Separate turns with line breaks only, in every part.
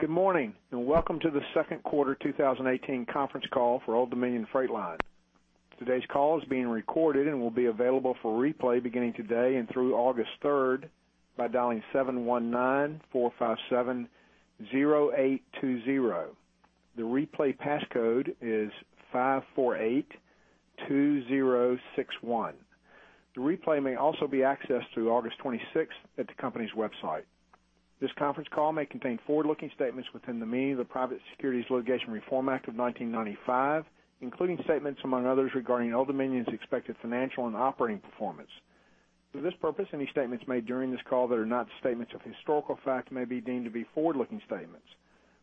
Good morning, welcome to the second quarter 2018 conference call for Old Dominion Freight Line. Today's call is being recorded and will be available for replay beginning today and through August 3rd by dialing 719-457-0820. The replay passcode is 5482061. The replay may also be accessed through August 26th at the company's website. This conference call may contain forward-looking statements within the meaning of the Private Securities Litigation Reform Act of 1995, including statements, among others, regarding Old Dominion's expected financial and operating performance. For this purpose, any statements made during this call that are not statements of historical fact may be deemed to be forward-looking statements.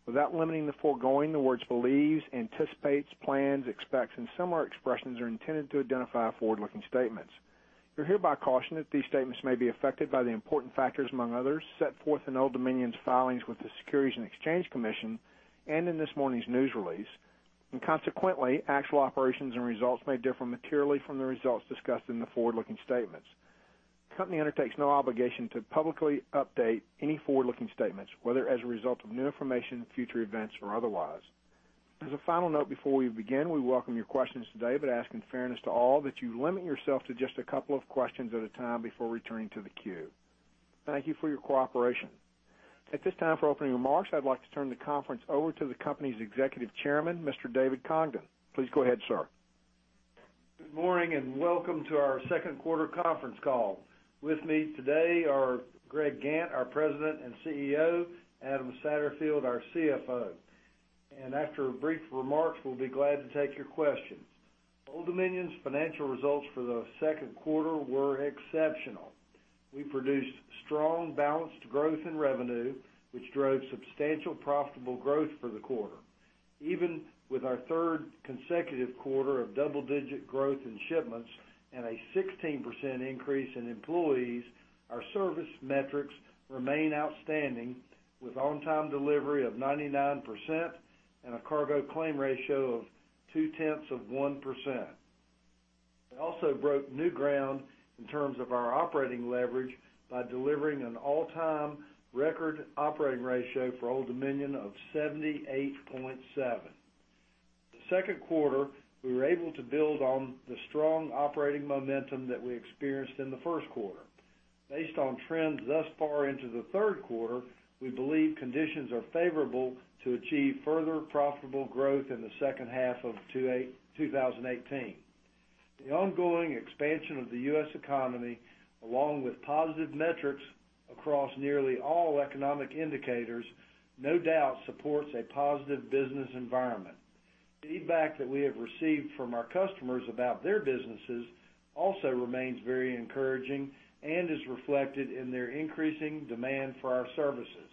Without limiting the foregoing, the words believes, anticipates, plans, expects, and similar expressions are intended to identify forward-looking statements. You're hereby cautioned that these statements may be affected by the important factors, among others, set forth in Old Dominion's filings with the Securities and Exchange Commission in this morning's news release. Consequently, actual operations and results may differ materially from the results discussed in the forward-looking statements. The company undertakes no obligation to publicly update any forward-looking statements, whether as a result of new information, future events, or otherwise. As a final note, before we begin, we welcome your questions today, ask in fairness to all that you limit yourself to just a couple of questions at a time before returning to the queue. Thank you for your cooperation. At this time for opening remarks, I'd like to turn the conference over to the company's Executive Chairman, Mr. David Congdon. Please go ahead, sir.
Good morning, welcome to our second quarter conference call. With me today are Greg Gantt, our President and CEO, Adam Satterfield, our CFO. After brief remarks, we'll be glad to take your questions. Old Dominion's financial results for the second quarter were exceptional. We produced strong, balanced growth in revenue, which drove substantial profitable growth for the quarter. Even with our third consecutive quarter of double-digit growth in shipments and a 16% increase in employees, our service metrics remain outstanding with on-time delivery of 99% and a cargo claim ratio of two-tenths of 1%. We also broke new ground in terms of our operating leverage by delivering an all-time record operating ratio for Old Dominion of 78.7. The second quarter, we were able to build on the strong operating momentum that we experienced in the first quarter. Based on trends thus far into the third quarter, we believe conditions are favorable to achieve further profitable growth in the second half of 2018. The ongoing expansion of the U.S. economy, along with positive metrics across nearly all economic indicators, no doubt supports a positive business environment. The feedback that we have received from our customers about their businesses also remains very encouraging and is reflected in their increasing demand for our services.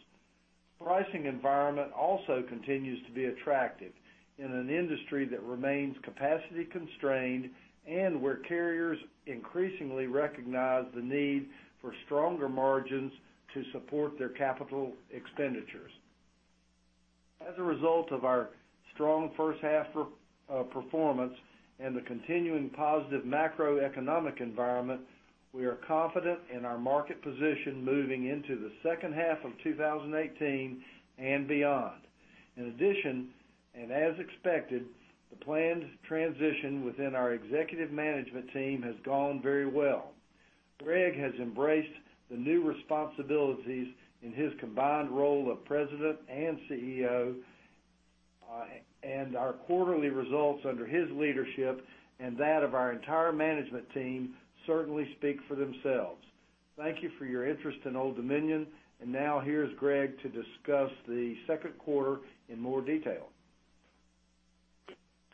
Pricing environment also continues to be attractive in an industry that remains capacity constrained and where carriers increasingly recognize the need for stronger margins to support their capital expenditures. As a result of our strong first half performance and the continuing positive macroeconomic environment, we are confident in our market position moving into the second half of 2018 and beyond. In addition, as expected, the planned transition within our executive management team has gone very well. Greg has embraced the new responsibilities in his combined role of President and CEO, and our quarterly results under his leadership and that of our entire management team certainly speak for themselves. Thank you for your interest in Old Dominion. Now here's Greg to discuss the second quarter in more detail.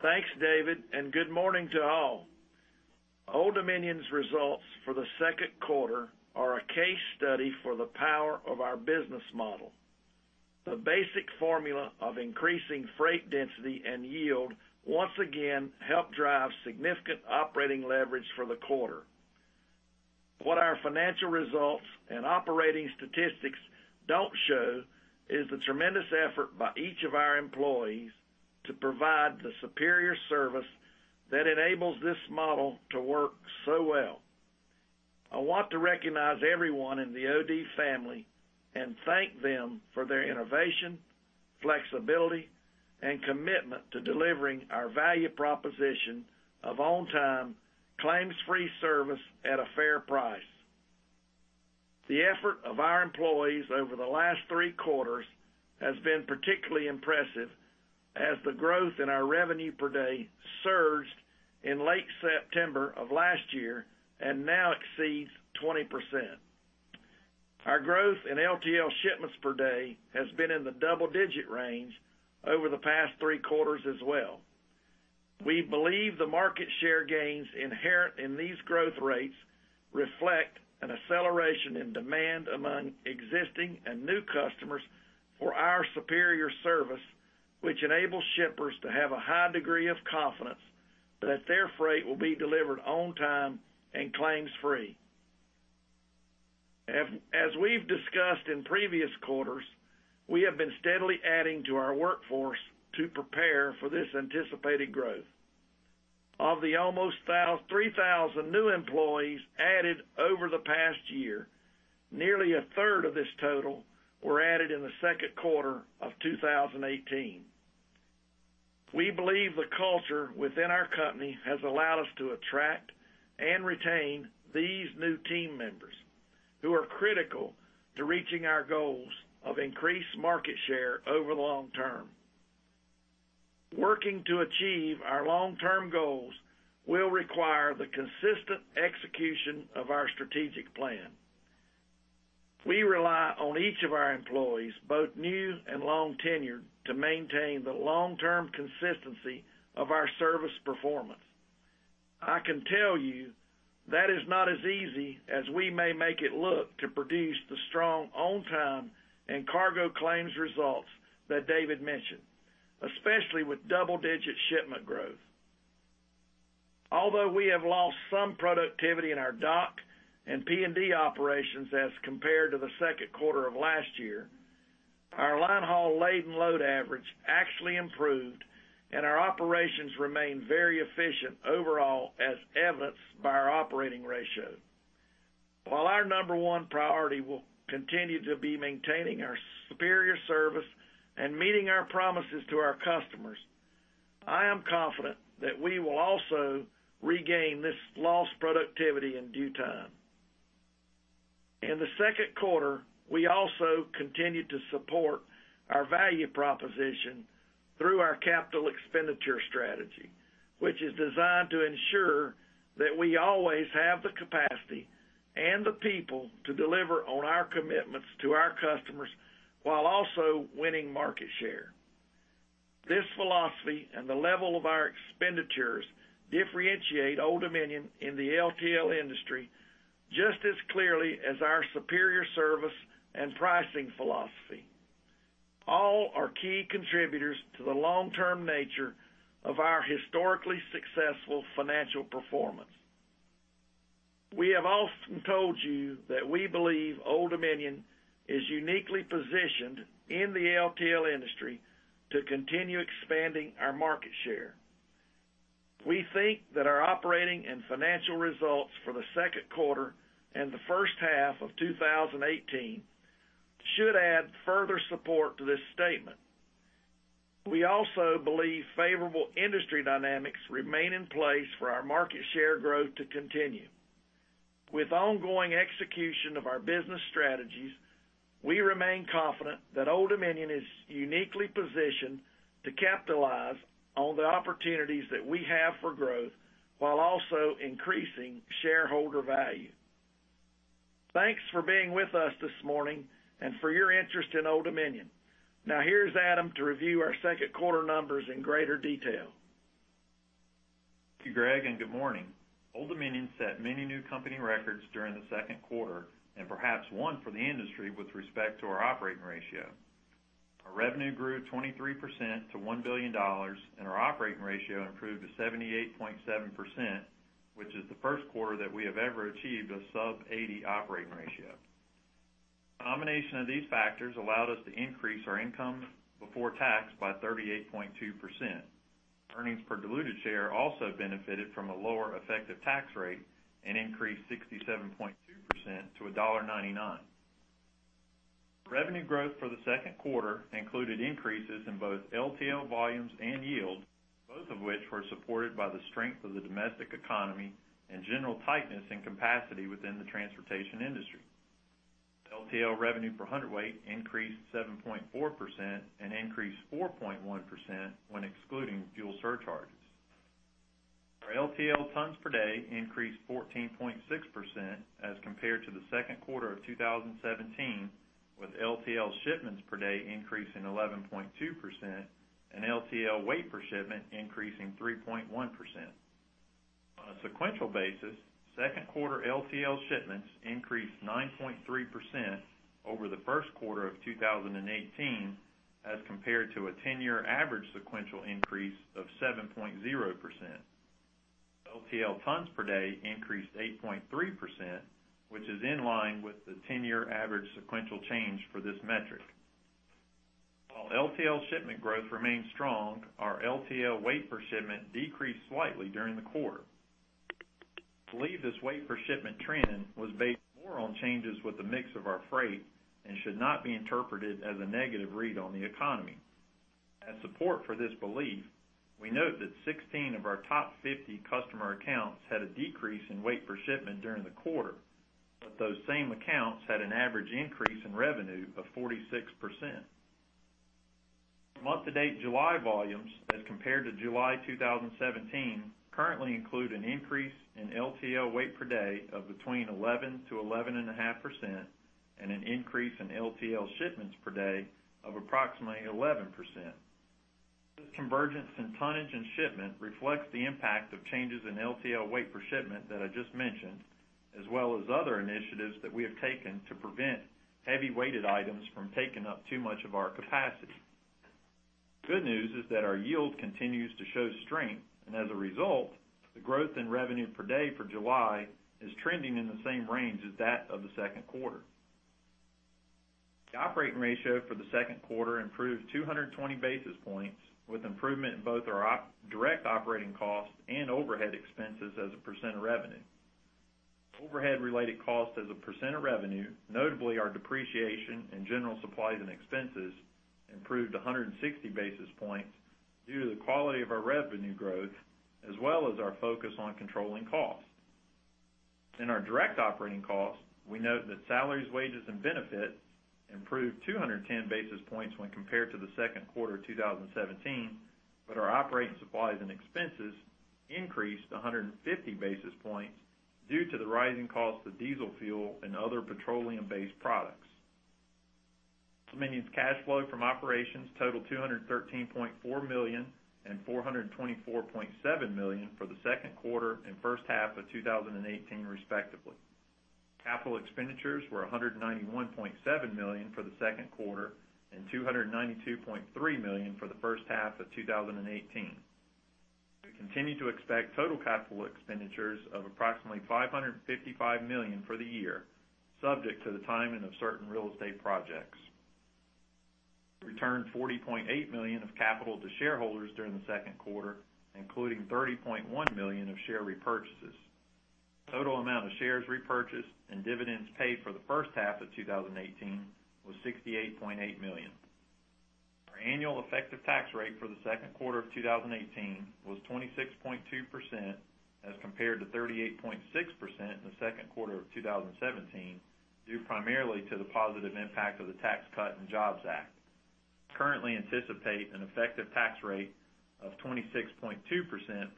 Thanks, David. Good morning to all. Old Dominion's results for the second quarter are a case study for the power of our business model. The basic formula of increasing freight density and yield once again helped drive significant operating leverage for the quarter. What our financial results and operating statistics don't show is the tremendous effort by each of our employees to provide the superior service that enables this model to work so well. I want to recognize everyone in the OD family and thank them for their innovation, flexibility, and commitment to delivering our value proposition of on-time, claims-free service at a fair price. The effort of our employees over the last three quarters has been particularly impressive as the growth in our revenue per day surged in late September of last year and now exceeds 20%. Our growth in LTL shipments per day has been in the double-digit range over the past three quarters as well. We believe the market share gains inherent in these growth rates reflect an acceleration in demand among existing and new customers for our superior service, which enables shippers to have a high degree of confidence that their freight will be delivered on time and claims free. As we've discussed in previous quarters, we have been steadily adding to our workforce to prepare for this anticipated growth. Of the almost 3,000 new employees added over the past year, nearly a third of this total were added in the second quarter of 2018. We believe the culture within our company has allowed us to attract and retain these new team members who are critical to reaching our goals of increased market share over the long term. Working to achieve our long-term goals will require the consistent execution of our strategic plan. We rely on each of our employees, both new and long tenured, to maintain the long-term consistency of our service performance. I can tell you that is not as easy as we may make it look to produce the strong on-time and cargo claims results that David mentioned, especially with double-digit shipment growth. Although we have lost some productivity in our dock and P&D operations as compared to the second quarter of last year, our line haul load and load average actually improved, and our operations remain very efficient overall as evidenced by our operating ratio. While our number one priority will continue to be maintaining our superior service and meeting our promises to our customers, I am confident that we will also regain this lost productivity in due time. In the second quarter, we also continued to support our value proposition through our capital expenditure strategy, which is designed to ensure that we always have the capacity and the people to deliver on our commitments to our customers while also winning market share. This philosophy and the level of our expenditures differentiate Old Dominion in the LTL industry just as clearly as our superior service and pricing philosophy. All are key contributors to the long-term nature of our historically successful financial performance. We have often told you that we believe Old Dominion is uniquely positioned in the LTL industry to continue expanding our market share. We think that our operating and financial results for the second quarter and the first half of 2018 should add further support to this statement. We also believe favorable industry dynamics remain in place for our market share growth to continue. With ongoing execution of our business strategies, we remain confident that Old Dominion is uniquely positioned to capitalize on the opportunities that we have for growth while also increasing shareholder value. Thanks for being with us this morning and for your interest in Old Dominion. Here's Adam to review our second quarter numbers in greater detail.
Thank you, Greg, and good morning. Old Dominion set many new company records during the second quarter, and perhaps one for the industry with respect to our operating ratio. Our revenue grew 23% to $1 billion, and our operating ratio improved to 78.7%, which is the first quarter that we have ever achieved a sub-80 operating ratio. A combination of these factors allowed us to increase our income before tax by 38.2%. Earnings per diluted share also benefited from a lower effective tax rate and increased 67.2% to $1.99. Revenue growth for the second quarter included increases in both LTL volumes and yield, both of which were supported by the strength of the domestic economy and general tightness in capacity within the transportation industry. LTL revenue per hundredweight increased 7.4% and increased 4.1% when excluding fuel surcharges. Our LTL tons per day increased 14.6% as compared to the second quarter of 2017, with LTL shipments per day increasing 11.2% and LTL weight per shipment increasing 3.1%. On a sequential basis, second quarter LTL shipments increased 9.3% over the first quarter of 2018 as compared to a 10-year average sequential increase of 7.0%. LTL tons per day increased 8.3%, which is in line with the 10-year average sequential change for this metric. While LTL shipment growth remains strong, our LTL weight per shipment decreased slightly during the quarter. We believe this weight per shipment trend was based more on changes with the mix of our freight and should not be interpreted as a negative read on the economy. As support for this belief, we note that 16 of our top 50 customer accounts had a decrease in weight per shipment during the quarter, but those same accounts had an average increase in revenue of 46%. Month to date July volumes, as compared to July 2017, currently include an increase in LTL weight per day of between 11%-11.5% and an increase in LTL shipments per day of approximately 11%. This convergence in tonnage and shipment reflects the impact of changes in LTL weight per shipment that I just mentioned, as well as other initiatives that we have taken to prevent heavy-weighted items from taking up too much of our capacity. The good news is that our yield continues to show strength, and as a result, the growth in revenue per day for July is trending in the same range as that of the second quarter. The operating ratio for the second quarter improved 220 basis points, with improvement in both our direct operating costs and overhead expenses as a % of revenue. Overhead related costs as a % of revenue, notably our depreciation and general supplies and expenses, improved 160 basis points due to the quality of our revenue growth, as well as our focus on controlling costs. In our direct operating costs, we note that salaries, wages, and benefits improved 210 basis points when compared to the second quarter 2017, but our operating supplies and expenses increased 150 basis points due to the rising cost of diesel fuel and other petroleum-based products. Old Dominion's cash flow from operations totaled $213.4 million and $424.7 million for the second quarter and first half of 2018, respectively. Capital expenditures were $191.7 million for the second quarter and $292.3 million for the first half of 2018. We continue to expect total Capital expenditures of approximately $555 million for the year, subject to the timing of certain real estate projects. We returned $40.8 million of capital to shareholders during the second quarter, including $30.1 million of share repurchases. Total amount of shares repurchased and dividends paid for the first half of 2018 was $68.8 million. Our annual effective tax rate for the second quarter of 2018 was 26.2% as compared to 38.6% in the second quarter of 2017, due primarily to the positive impact of the Tax Cuts and Jobs Act. We currently anticipate an effective tax rate of 26.2%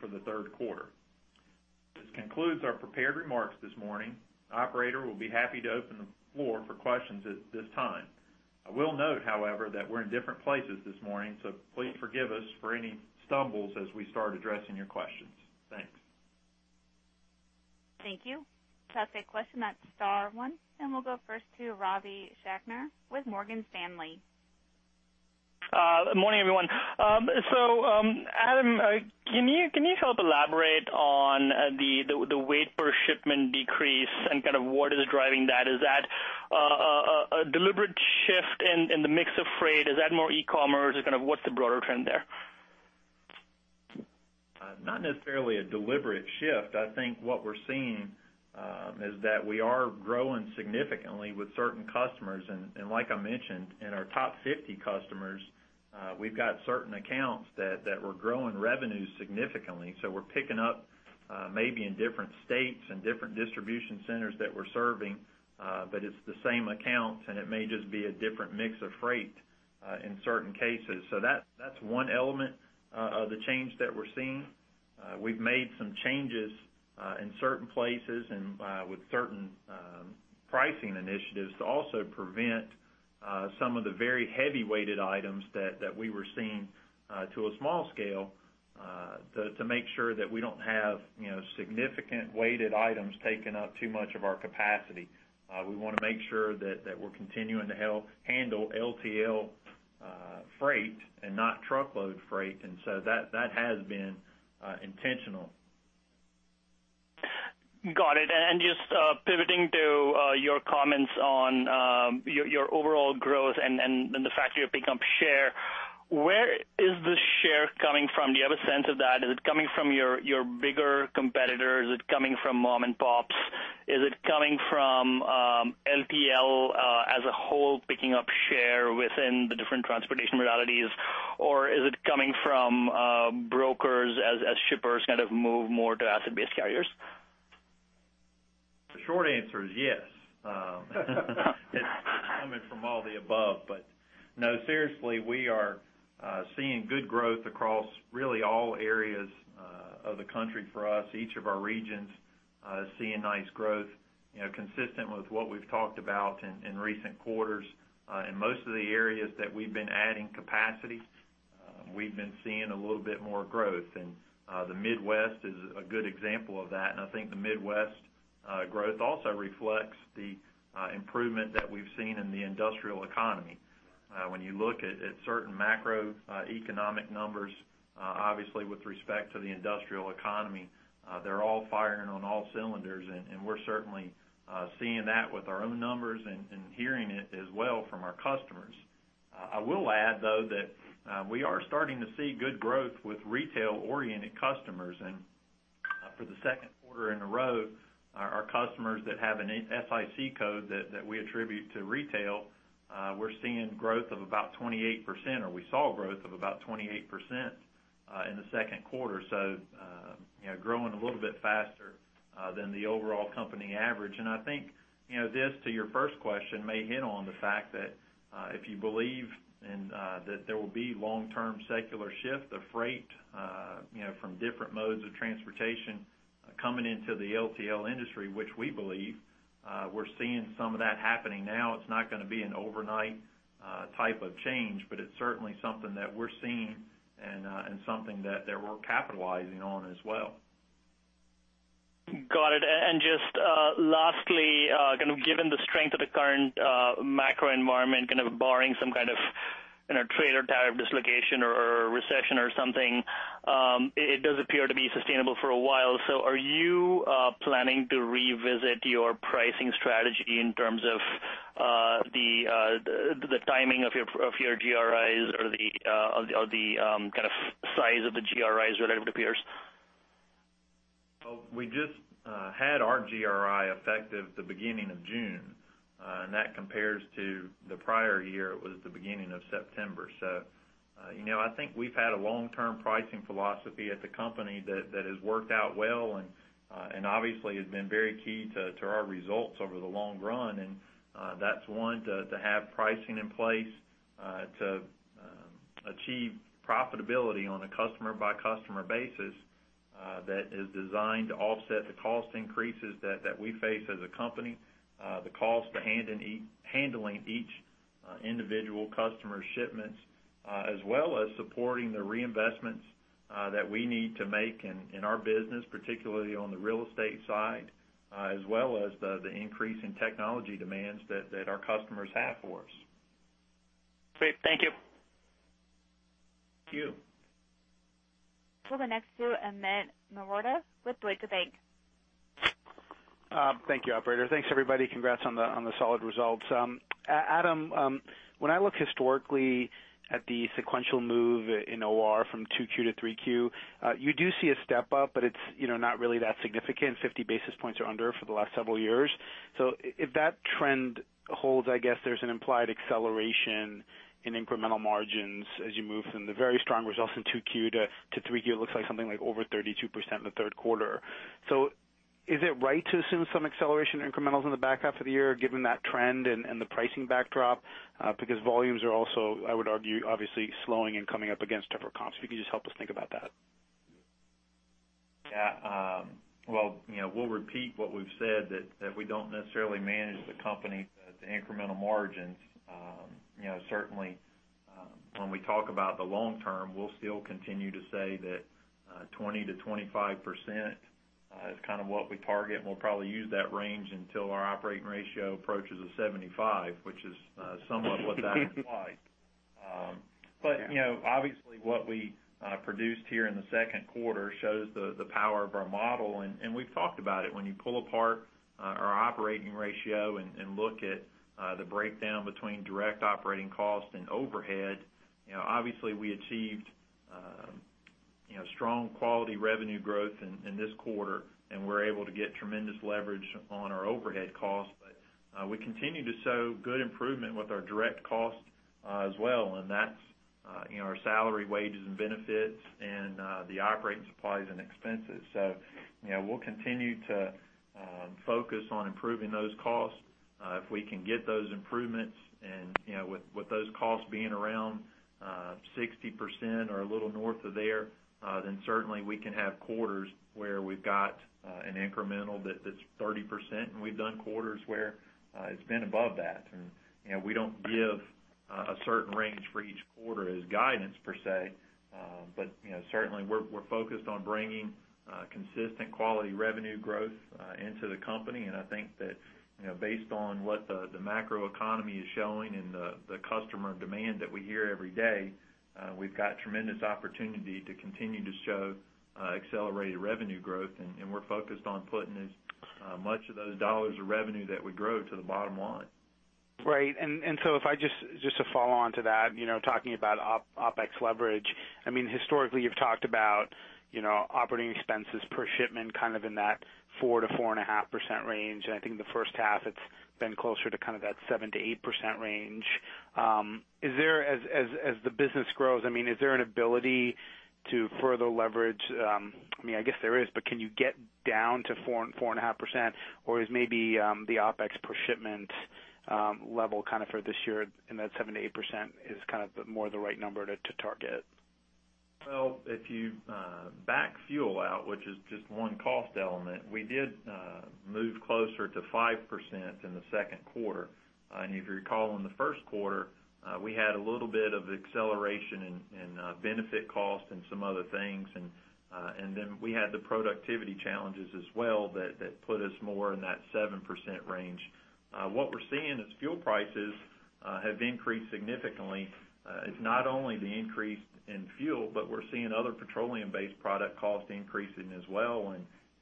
for the third quarter. This concludes our prepared remarks this morning. The operator will be happy to open the floor for questions at this time. I will note, however, that we're in different places this morning, so please forgive us for any stumbles as we start addressing your questions. Thanks.
Thank you. To ask a question, that's star one, we'll go first to Ravi Shanker with Morgan Stanley.
Morning, everyone. Adam, can you help elaborate on the weight per shipment decrease and what is driving that? Is that a deliberate shift in the mix of freight? Is that more e-commerce? What's the broader trend there?
Not necessarily a deliberate shift. I think what we're seeing, is that we are growing significantly with certain customers, like I mentioned, in our top 50 customers, we've got certain accounts that were growing revenue significantly. We're picking up maybe in different states and different distribution centers that we're serving. It's the same accounts, it may just be a different mix of freight, in certain cases. That's one element of the change that we're seeing. We've made some changes in certain places and with certain pricing initiatives to also prevent some of the very heavy-weighted items that we were seeing to a small scale, to make sure that we don't have significant weighted items taking up too much of our capacity. We want to make sure that we're continuing to handle LTL freight and not truckload freight, that has been intentional.
Got it. Just pivoting to your comments on your overall growth and the fact that you're picking up share, where is the share coming from? Do you have a sense of that? Is it coming from your bigger competitors? Is it coming from mom and pops? Is it coming from LTL as a whole, picking up share within the different transportation modalities? Is it coming from brokers as shippers move more to asset-based carriers?
The short answer is yes. It's coming from all the above. No, seriously, we are seeing good growth across really all areas of the country for us. Each of our regions is seeing nice growth, consistent with what we've talked about in recent quarters. In most of the areas that we've been adding capacity, we've been seeing a little bit more growth, and the Midwest is a good example of that. I think the Midwest growth also reflects the improvement that we've seen in the industrial economy. When you look at certain macroeconomic numbers, obviously with respect to the industrial economy, they're all firing on all cylinders, and we're certainly seeing that with our own numbers and hearing it as well from our customers. I will add, though, that we are starting to see good growth with retail-oriented customers. For the second quarter in a row, our customers that have an SIC code that we attribute to retail, we're seeing growth of about 28%, or we saw growth of about 28% in the second quarter. Growing a little bit faster than the overall company average. I think this, to your first question, may hit on the fact that if you believe that there will be long-term secular shift of freight from different modes of transportation coming into the LTL industry, which we believe, we're seeing some of that happening now. It's not going to be an overnight type of change, but it's certainly something that we're seeing and something that we're capitalizing on as well.
Got it. Just lastly, given the strength of the current macro environment, barring some kind of trade or tariff dislocation or recession or something, it does appear to be sustainable for a while. Are you planning to revisit your pricing strategy in terms of the timing of your GRIs or the size of the GRIs relative to peers?
We just had our GRI effective the beginning of June, and that compares to the prior year, it was the beginning of September. I think we've had a long-term pricing philosophy at the company that has worked out well and obviously has been very key to our results over the long run. That's one, to have pricing in place to achieve profitability on a customer-by-customer basis that is designed to offset the cost increases that we face as a company, the cost to handling each individual customer shipments, as well as supporting the reinvestments that we need to make in our business, particularly on the real estate side, as well as the increase in technology demands that our customers have for us.
Great. Thank you.
Thank you.
We'll go next to Amit Mehrotra with Deutsche Bank.
Thank you, operator. Thanks, everybody. Congrats on the solid results. Adam, when I look historically at the sequential move in OR from 2Q to 3Q, you do see a step up, but it's not really that significant, 50 basis points or under for the last several years. If that trend holds, I guess there's an implied acceleration in incremental margins as you move from the very strong results in 2Q to 3Q. It looks like something like over 32% in the third quarter. Is it right to assume some acceleration incrementals in the back half of the year, given that trend and the pricing backdrop? Volumes are also, I would argue, obviously slowing and coming up against tougher comps. If you could just help us think about that.
Well, we'll repeat what we've said, that we don't necessarily manage the company with the incremental margins. When we talk about the long term, we'll still continue to say that 20%-25% is what we target, and we'll probably use that range until our operating ratio approaches a 75, which is somewhat what that looks like.
Yeah.
Obviously what we produced here in the second quarter shows the power of our model. We've talked about it. When you pull apart our operating ratio and look at the breakdown between direct operating cost and overhead, obviously we achieved strong quality revenue growth in this quarter, and we're able to get tremendous leverage on our overhead costs. We continue to show good improvement with our direct cost as well. That's our salary, wages, and benefits and the operating supplies and expenses. We'll continue to focus on improving those costs. If we can get those improvements and with those costs being around 60% or a little north of there, certainly we can have quarters where we've got an incremental that's 30%, and we've done quarters where it's been above that. We don't give a certain range for each quarter as guidance per se, certainly we're focused on bringing consistent quality revenue growth into the company. I think that based on what the macroeconomy is showing and the customer demand that we hear every day, we've got tremendous opportunity to continue to show accelerated revenue growth. We're focused on putting as much of those dollars of revenue that we grow to the bottom line.
Right. If I just to follow on to that, talking about OpEx leverage, historically you've talked about operating expenses per shipment in that 4%-4.5% range. I think in the first half it's been closer to that 7%-8% range. As the business grows, is there an ability to further leverage? I guess there is, but can you get down to 4.5%? Or is maybe the OpEx per shipment level for this year in that 7%-8% is more the right number to target?
If you back fuel out, which is just one cost element, we did move closer to 5% in the second quarter. If you recall, in the first quarter, we had a little bit of acceleration in benefit cost and some other things. Then we had the productivity challenges as well that put us more in that 7% range. We're seeing is fuel prices have increased significantly. Not only the increase in fuel, but we're seeing other petroleum-based product cost increasing as well.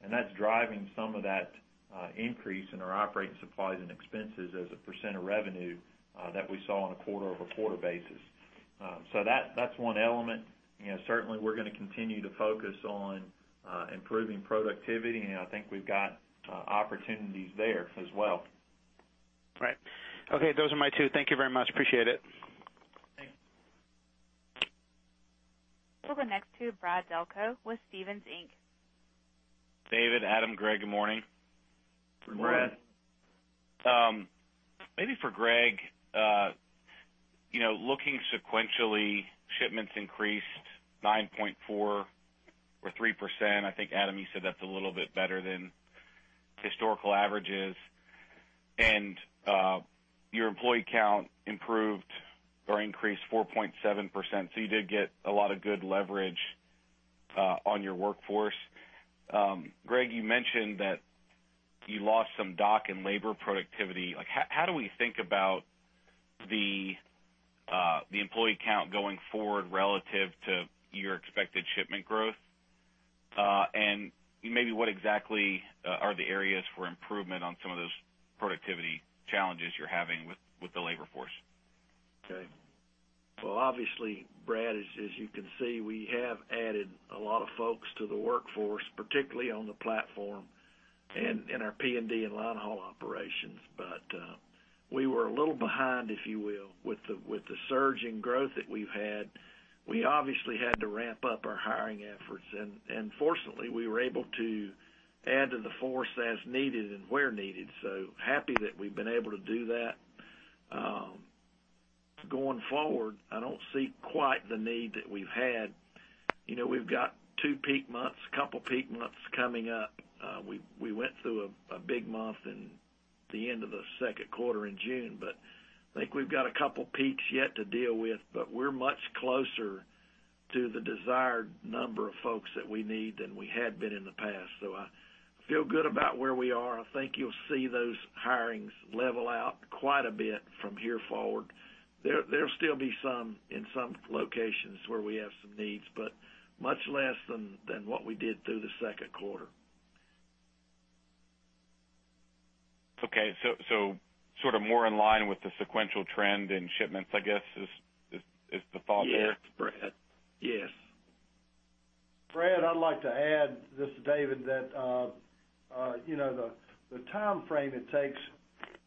That's driving some of that increase in our operating supplies and expenses as a percent of revenue that we saw on a quarter-over-quarter basis. That's one element. Certainly we're going to continue to focus on improving productivity, I think we've got opportunities there as well.
Right. Okay, those are my two. Thank you very much. Appreciate it.
Thanks.
We'll go next to Brad Delco with Stephens Inc.
David, Adam, Greg, good morning.
Good morning.
Good morning.
Maybe for Greg, looking sequentially, shipments increased 9.4 or 3%. I think Adam, you said that's a little bit better than historical averages. Your employee count improved or increased 4.7%, so you did get a lot of good leverage on your workforce. Greg, you mentioned that you lost some dock in labor productivity. How do we think about the employee count going forward relative to your expected shipment growth? Maybe what exactly are the areas for improvement on some of those productivity challenges you're having with the labor force?
Okay. Obviously, Brad, as you can see, we have added a lot of folks to the workforce, particularly on the platform and in our P&D and line haul operations. We were a little behind, if you will, with the surge in growth that we've had. We obviously had to ramp up our hiring efforts, fortunately, we were able to add to the force as needed and where needed. Happy that we've been able to do that. Going forward, I don't see quite the need that we've had. We've got two peak months, a couple of peak months coming up. We went through a big month in the end of the second quarter in June, I think we've got a couple peaks yet to deal with, we're much closer to the desired number of folks that we need than we had been in the past. I feel good about where we are. I think you'll see those hirings level out quite a bit from here forward. There'll still be some in some locations where we have some needs, much less than what we did through the second quarter.
More in line with the sequential trend in shipments, I guess, is the thought there?
Yes, Brad. Yes.
Brad, I'd like to add, this is David, that the timeframe it takes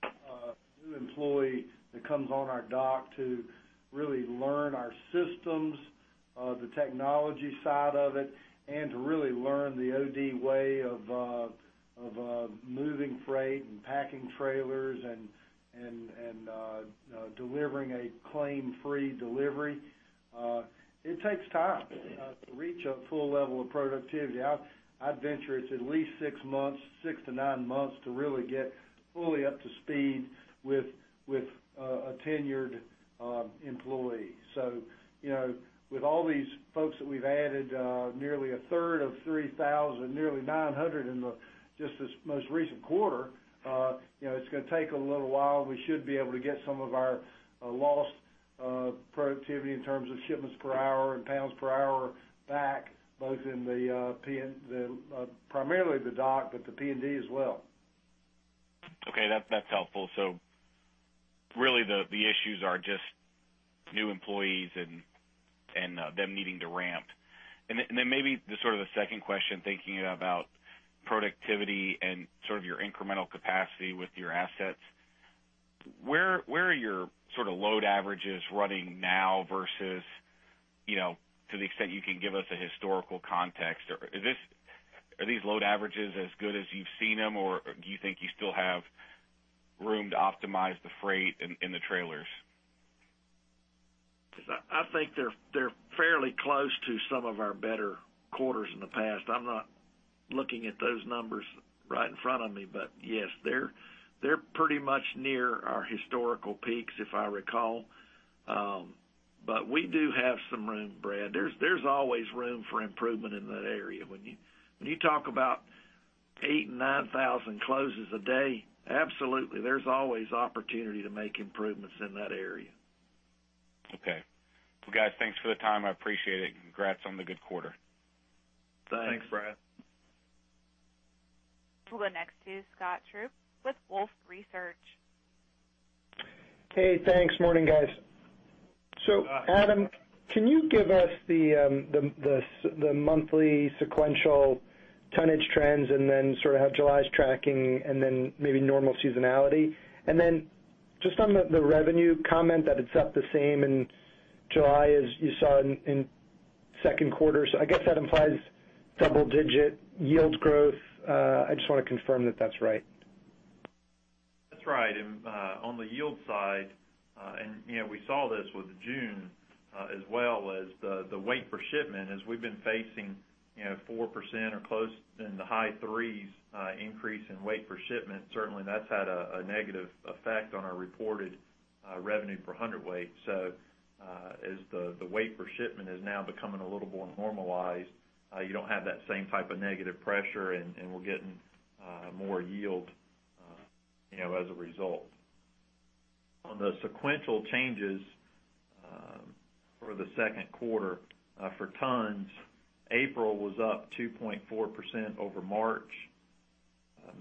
a new employee that comes on our dock to really learn our systems, the technology side of it, and to really learn the OD way of moving freight and packing trailers and delivering a claim-free delivery. It takes time to reach a full level of productivity. I'd venture it's at least six months, six to nine months to really get fully up to speed with a tenured employee. With all these folks that we've added nearly a third of 3,000, nearly 900 in just this most recent quarter, it's going to take a little while. We should be able to get some of our lost productivity in terms of shipments per hour and pounds per hour back, both in primarily the dock, but the P&D as well.
That's helpful. Really the issues are just new employees and them needing to ramp. Maybe the second question, thinking about productivity and your incremental capacity with your assets. Where are your load averages running now versus, to the extent you can give us a historical context, are these load averages as good as you've seen them, or do you think you still have room to optimize the freight in the trailers?
I think they're fairly close to some of our better quarters in the past. I'm not looking at those numbers right in front of me, yes, they're pretty much near our historical peaks, if I recall. We do have some room, Brad. There's always room for improvement in that area. When you talk about 8,000 and 9,000 closes a day, absolutely, there's always opportunity to make improvements in that area.
Guys, thanks for the time. I appreciate it. Congrats on the good quarter.
Thanks.
Thanks, Brad.
We'll go next to Scott Group with Wolfe Research.
Hey, thanks. Morning, guys. Adam, can you give us the monthly sequential tonnage trends, then how July is tracking and then maybe normal seasonality? Just on the revenue comment that it's up the same in July as you saw it in second quarter. I guess that implies double-digit yield growth. I just want to confirm that that's right.
That's right. On the yield side, we saw this with June as well as the weight per shipment as we've been facing 4% or close in the high threes increase in weight per shipment. Certainly, that's had a negative effect on our reported revenue per hundredweight. As the weight per shipment is now becoming a little more normalized, you don't have that same type of negative pressure, and we're getting more yield as a result. On the sequential changes for the second quarter for tons, April was up 2.4% over March,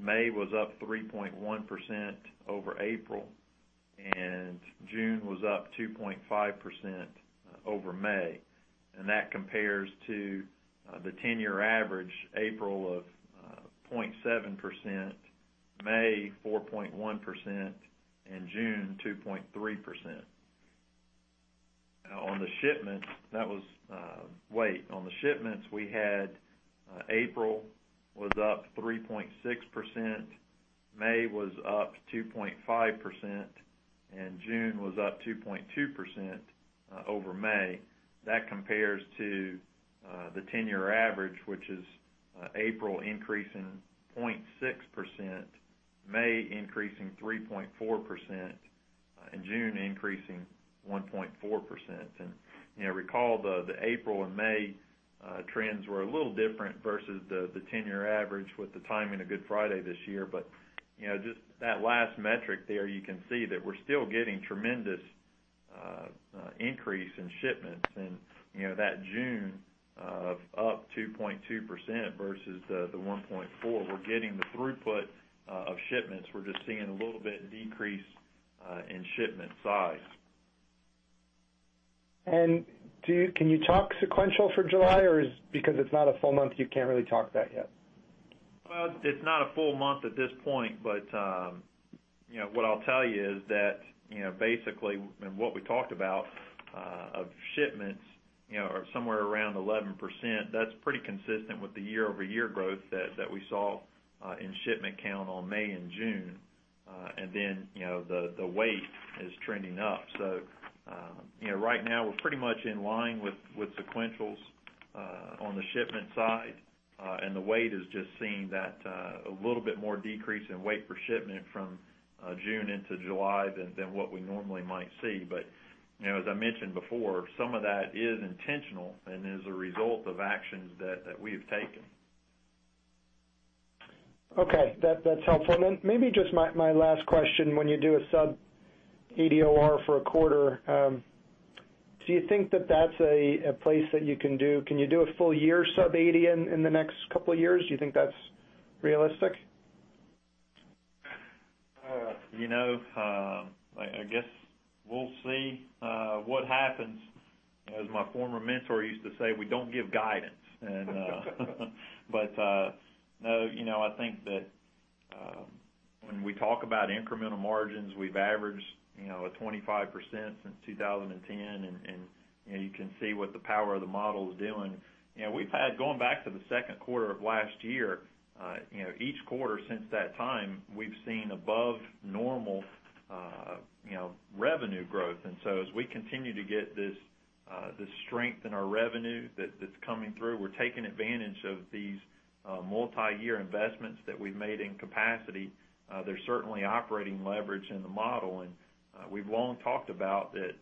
May was up 3.1% over April, and June was up 2.5% over May. That compares to the 10-year average, April of 0.7%, May 4.1%, and June 2.3%. On the shipments, that was weight. On the shipments we had April was up 3.6%, May was up 2.5%, and June was up 2.2% over May. That compares to the 10-year average, which is April increase in 0.6%, May increase in 3.4% In June increasing 1.4%. Recall the April and May trends were a little different versus the 10-year average with the timing of Good Friday this year. Just that last metric there, you can see that we're still getting tremendous increase in shipments and that June of up 2.2% versus the 1.4. We're getting the throughput of shipments. We're just seeing a little bit decrease in shipment size.
Can you talk sequential for July? Because it's not a full month, you can't really talk that yet?
Well, it's not a full month at this point, but what I'll tell you is that basically, what we talked about of shipments are somewhere around 11%. That's pretty consistent with the year-over-year growth that we saw in shipment count on May and June. The weight is trending up. Right now, we're pretty much in line with sequentials on the shipment side. The weight is just seeing that a little bit more decrease in weight per shipment from June into July than what we normally might see. As I mentioned before, some of that is intentional and is a result of actions that we have taken.
Okay. That's helpful. Maybe just my last question, when you do a sub-80 OR for a quarter, do you think that that's a place that you can do a full year sub-80 in the next couple of years? Do you think that's realistic?
I guess we'll see what happens. As my former mentor used to say, we don't give guidance. I think that when we talk about incremental margins, we've averaged a 25% since 2010 and you can see what the power of the model is doing. We've had going back to the second quarter of last year, each quarter since that time, we've seen above normal revenue growth. As we continue to get this strength in our revenue that's coming through, we're taking advantage of these multi-year investments that we've made in capacity. There's certainly operating leverage in the model. We've long talked about the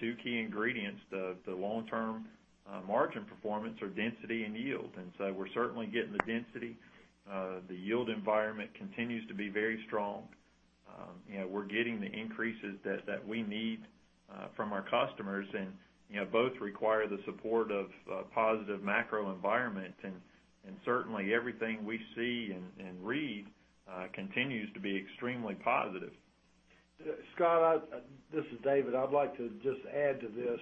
two key ingredients, the long-term margin performance are density and yield. We're certainly getting the density. The yield environment continues to be very strong. We're getting the increases that we need from our customers, and both require the support of a positive macro environment. Certainly, everything we see and read continues to be extremely positive.
Scott, this is David. I'd like to just add to this.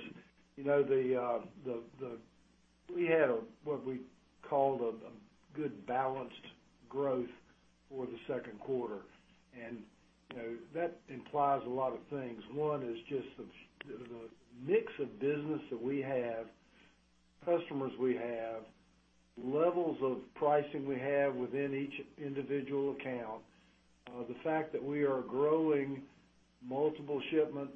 We had what we called a good balanced growth for the second quarter. That implies a lot of things. One is just the mix of business that we have, customers we have, levels of pricing we have within each individual account. The fact that we are growing multiple shippers,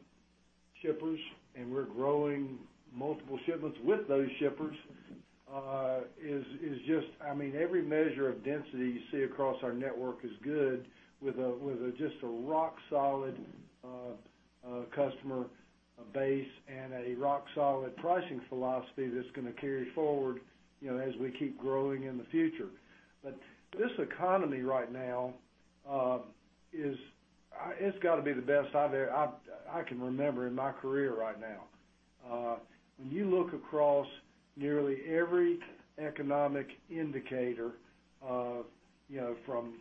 we're growing multiple shipments with those shippers, every measure of density you see across our network is good with just a rock solid customer base and a rock solid pricing philosophy that's going to carry forward as we keep growing in the future. This economy right now it's got to be the best I can remember in my career right now. When you look across nearly every economic indicator from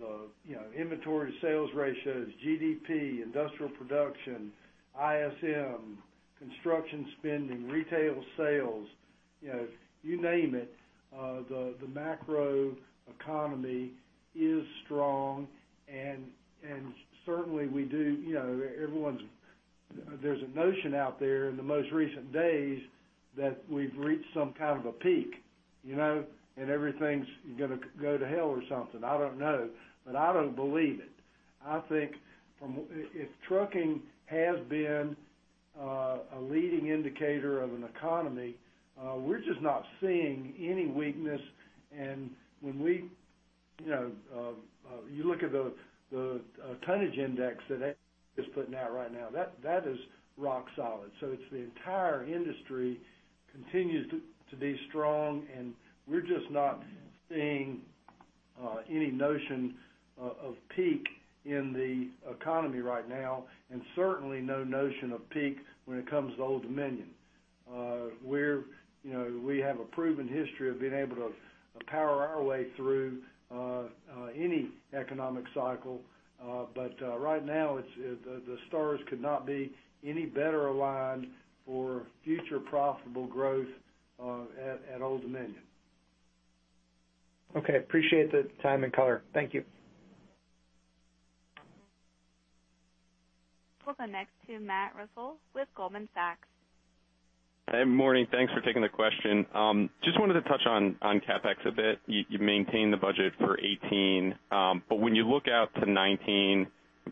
the inventory sales ratios, GDP, industrial production, ISM, construction spending, retail sales, you name it, the macro economy is strong. Certainly there's a notion out there in the most recent days that we've reached some kind of a peak and everything's going to go to hell or something. I don't know. I don't believe it. I think if trucking has been a leading indicator of an economy, we're just not seeing any weakness. When you look at the tonnage index that is putting out right now, that is rock solid. It's the entire industry continues to be strong. We're just not seeing any notion of peak in the economy right now, and certainly no notion of peak when it comes to Old Dominion. We have a proven history of being able to power our way through any economic cycle. Right now, the stars could not be any better aligned for future profitable growth at Old Dominion.
Okay. Appreciate the time and color. Thank you.
We'll go next to Matthew Russell with Goldman Sachs.
Morning. Thanks for taking the question. Just wanted to touch on CapEx a bit. You maintained the budget for 2018. When you look out to 2019,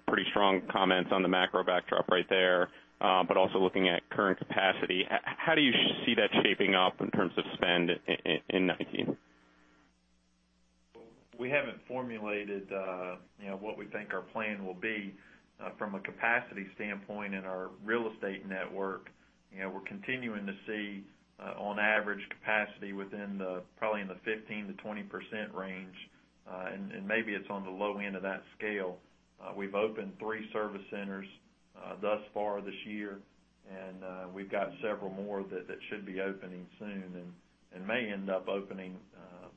pretty strong comments on the macro backdrop right there. Also looking at current capacity, how do you see that shaping up in terms of spend in 2019?
We haven't formulated what we think our plan will be from a capacity standpoint in our real estate network. We're continuing to see, on average, capacity within probably in the 15%-20% range, and maybe it's on the low end of that scale. We've opened three service centers thus far this year, and we've got several more that should be opening soon and may end up opening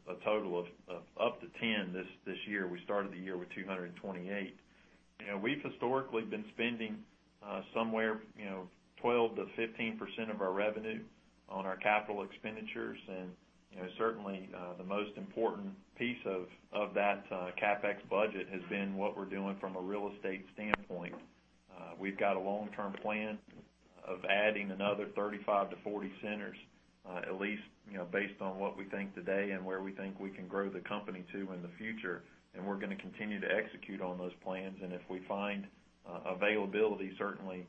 a total of up to 10 this year. We started the year with 228. We've historically been spending somewhere, 12%-15% of our revenue on our capital expenditures. Certainly, the most important piece of that CapEx budget has been what we're doing from a real estate standpoint. We've got a long-term plan of adding another 35-40 centers, at least based on what we think today and where we think we can grow the company to in the future. We're going to continue to execute on those plans. If we find availability, certainly,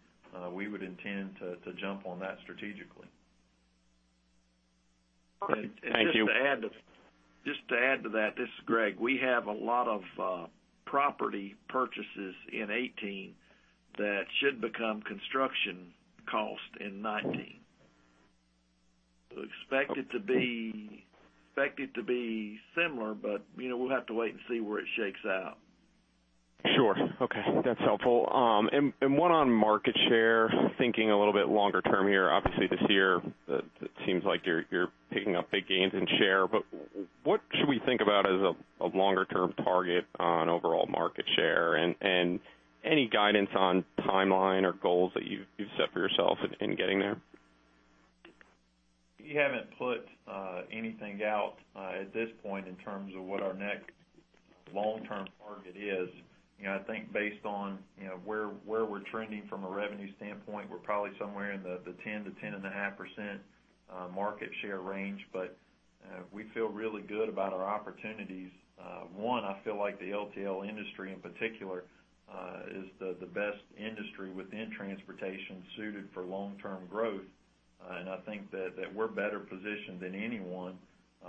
we would intend to jump on that strategically.
Thank you.
Just to add to that, this is Greg. We have a lot of property purchases in 2018 that should become construction cost in 2019. Expect it to be similar, but we'll have to wait and see where it shakes out.
Sure. Okay. That's helpful. One on market share, thinking a little bit longer term here. Obviously, this year it seems like you're picking up big gains in share. What should we think about as a longer-term target on overall market share? Any guidance on timeline or goals that you've set for yourself in getting there?
We haven't put anything out at this point in terms of what our next long-term target is. I think based on where we're trending from a revenue standpoint, we're probably somewhere in the 10%-10.5% market share range. We feel really good about our opportunities. One, I feel like the LTL industry in particular, is the best industry within transportation suited for long-term growth. I think that we're better positioned than anyone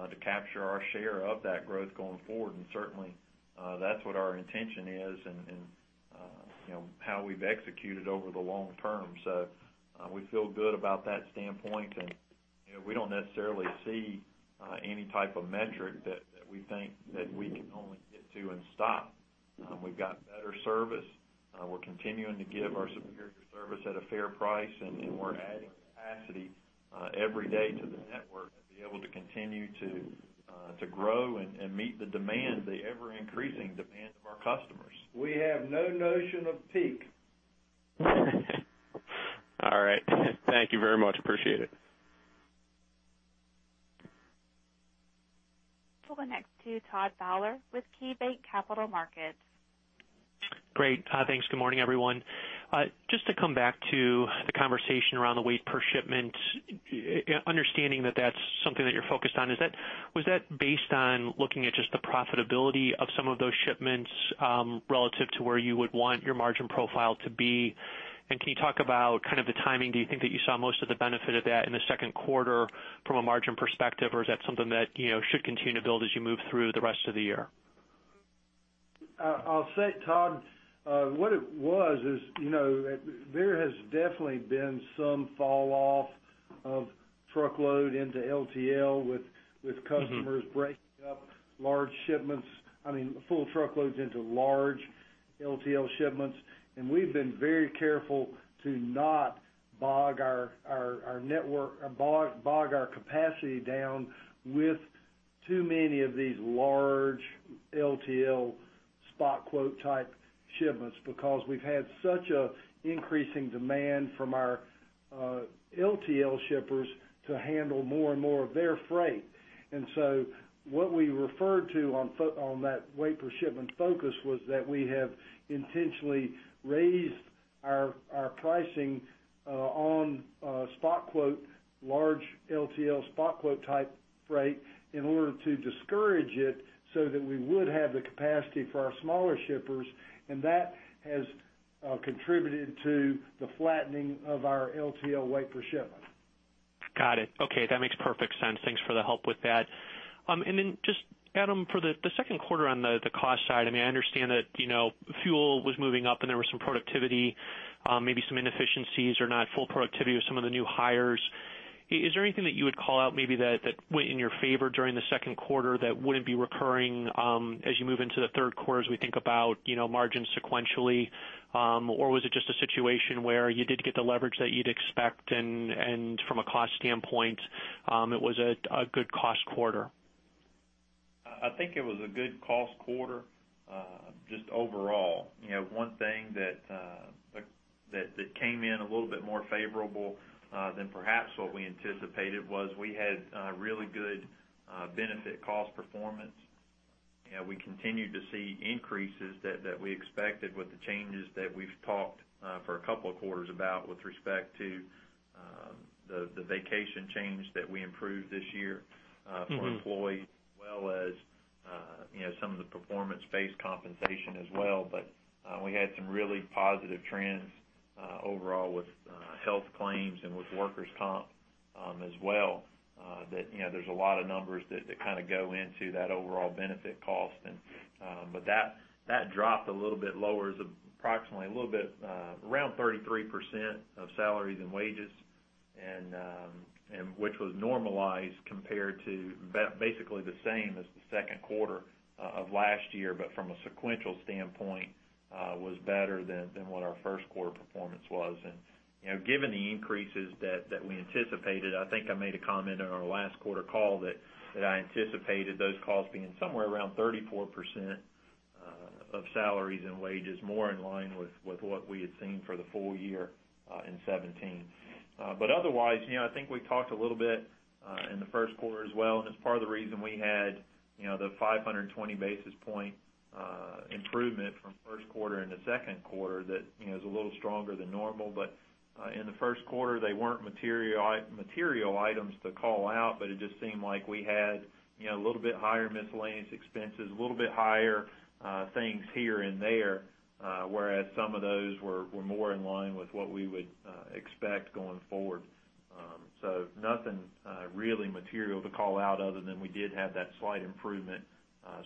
to capture our share of that growth going forward. Certainly, that's what our intention is and how we've executed over the long term. We feel good about that standpoint. We don't necessarily see any type of metric that we think that we can only get to and stop. We've got better service. We're continuing to give our superior service at a fair price, and we're adding capacity every day to the network to be able to continue to grow and meet the ever-increasing demand of our customers.
We have no notion of peak.
All right. Thank you very much. Appreciate it.
We'll go next to Todd Fowler with KeyBanc Capital Markets.
Great. Thanks. Good morning, everyone. Just to come back to the conversation around the weight per shipment, understanding that that's something that you're focused on. Was that based on looking at just the profitability of some of those shipments relative to where you would want your margin profile to be? Can you talk about the timing? Do you think that you saw most of the benefit of that in the second quarter from a margin perspective, or is that something that should continue to build as you move through the rest of the year?
I'll say, Todd, what it was is, there has definitely been some falloff of truckload into LTL with customers breaking up large shipments. I mean, full truckloads into large LTL shipments. We've been very careful to not bog our capacity down with too many of these large LTL spot quote type shipments because we've had such an increasing demand from our LTL shippers to handle more and more of their freight. So what we referred to on that weight per shipment focus was that we have intentionally raised our pricing on large LTL spot quote type freight in order to discourage it so that we would have the capacity for our smaller shippers. That has contributed to the flattening of our LTL weight per shipment.
Got it. Okay. That makes perfect sense. Thanks for the help with that. Then just, Adam, for the second quarter on the cost side, I understand that fuel was moving up and there was some productivity, maybe some inefficiencies or not full productivity with some of the new hires. Is there anything that you would call out maybe that went in your favor during the second quarter that wouldn't be recurring as you move into the third quarter as we think about margins sequentially? Was it just a situation where you did get the leverage that you'd expect and from a cost standpoint, it was a good cost quarter?
I think it was a good cost quarter just overall. One thing that came in a little bit more favorable than perhaps what we anticipated was we had really good benefit cost performance. We continued to see increases that we expected with the changes that we've talked for a couple of quarters about with respect to the vacation change that we improved this year for employees, as well as some of the performance-based compensation as well. We had some really positive trends overall with health claims and with workers' comp as well, that there's a lot of numbers that go into that overall benefit cost. That dropped a little bit lower, is approximately a little bit around 33% of salaries and wages, which was normalized compared to basically the same as the second quarter of last year, but from a sequential standpoint, was better than what our first quarter performance was. Given the increases that we anticipated, I think I made a comment on our last quarter call that I anticipated those costs being somewhere around 34% of salaries and wages, more in line with what we had seen for the full year in 2017. Otherwise, I think we talked a little bit in the first quarter as well, and it's part of the reason we had the 520 basis point improvement from first quarter into second quarter that is a little stronger than normal. In the first quarter, they weren't material items to call out, but it just seemed like we had a little bit higher miscellaneous expenses, a little bit higher things here and there, whereas some of those were more in line with what we would expect going forward. Nothing really material to call out other than we did have that slight improvement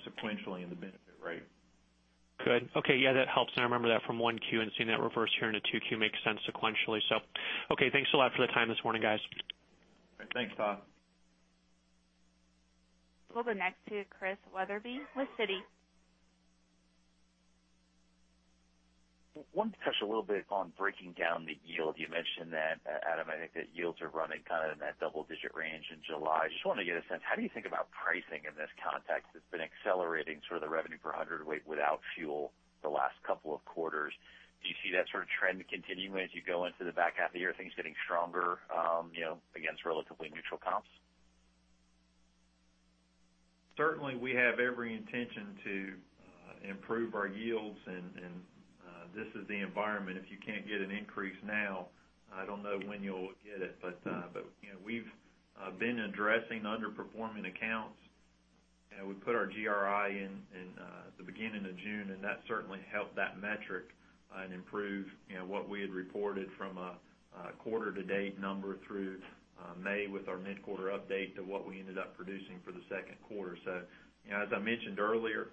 sequentially in the benefit rate.
Good. Okay. Yeah, that helps. I remember that from 1Q and seeing that reverse here into 2Q makes sense sequentially. Okay, thanks a lot for the time this morning, guys.
Thanks, Todd.
We'll go next to Christian Wetherbee with Citi.
Wanted to touch a little bit on breaking down the yield. You mentioned that, Adam, I think that yields are running in that double-digit range in July. I just want to get a sense, how do you think about pricing in this context? It's been accelerating sort of the revenue per hundredweight without fuel the last couple of quarters. Do you see that sort of trend continuing as you go into the back half of the year, things getting stronger, against relatively neutral comps?
Certainly, we have every intention to improve our yields. This is the environment. If you can't get an increase now, I don't know when you'll get it. We've been addressing underperforming accounts. We put our GRI in at the beginning of June, and that certainly helped that metric and improve what we had reported from a quarter to date number through May with our mid-quarter update to what we ended up producing for the second quarter. As I mentioned earlier,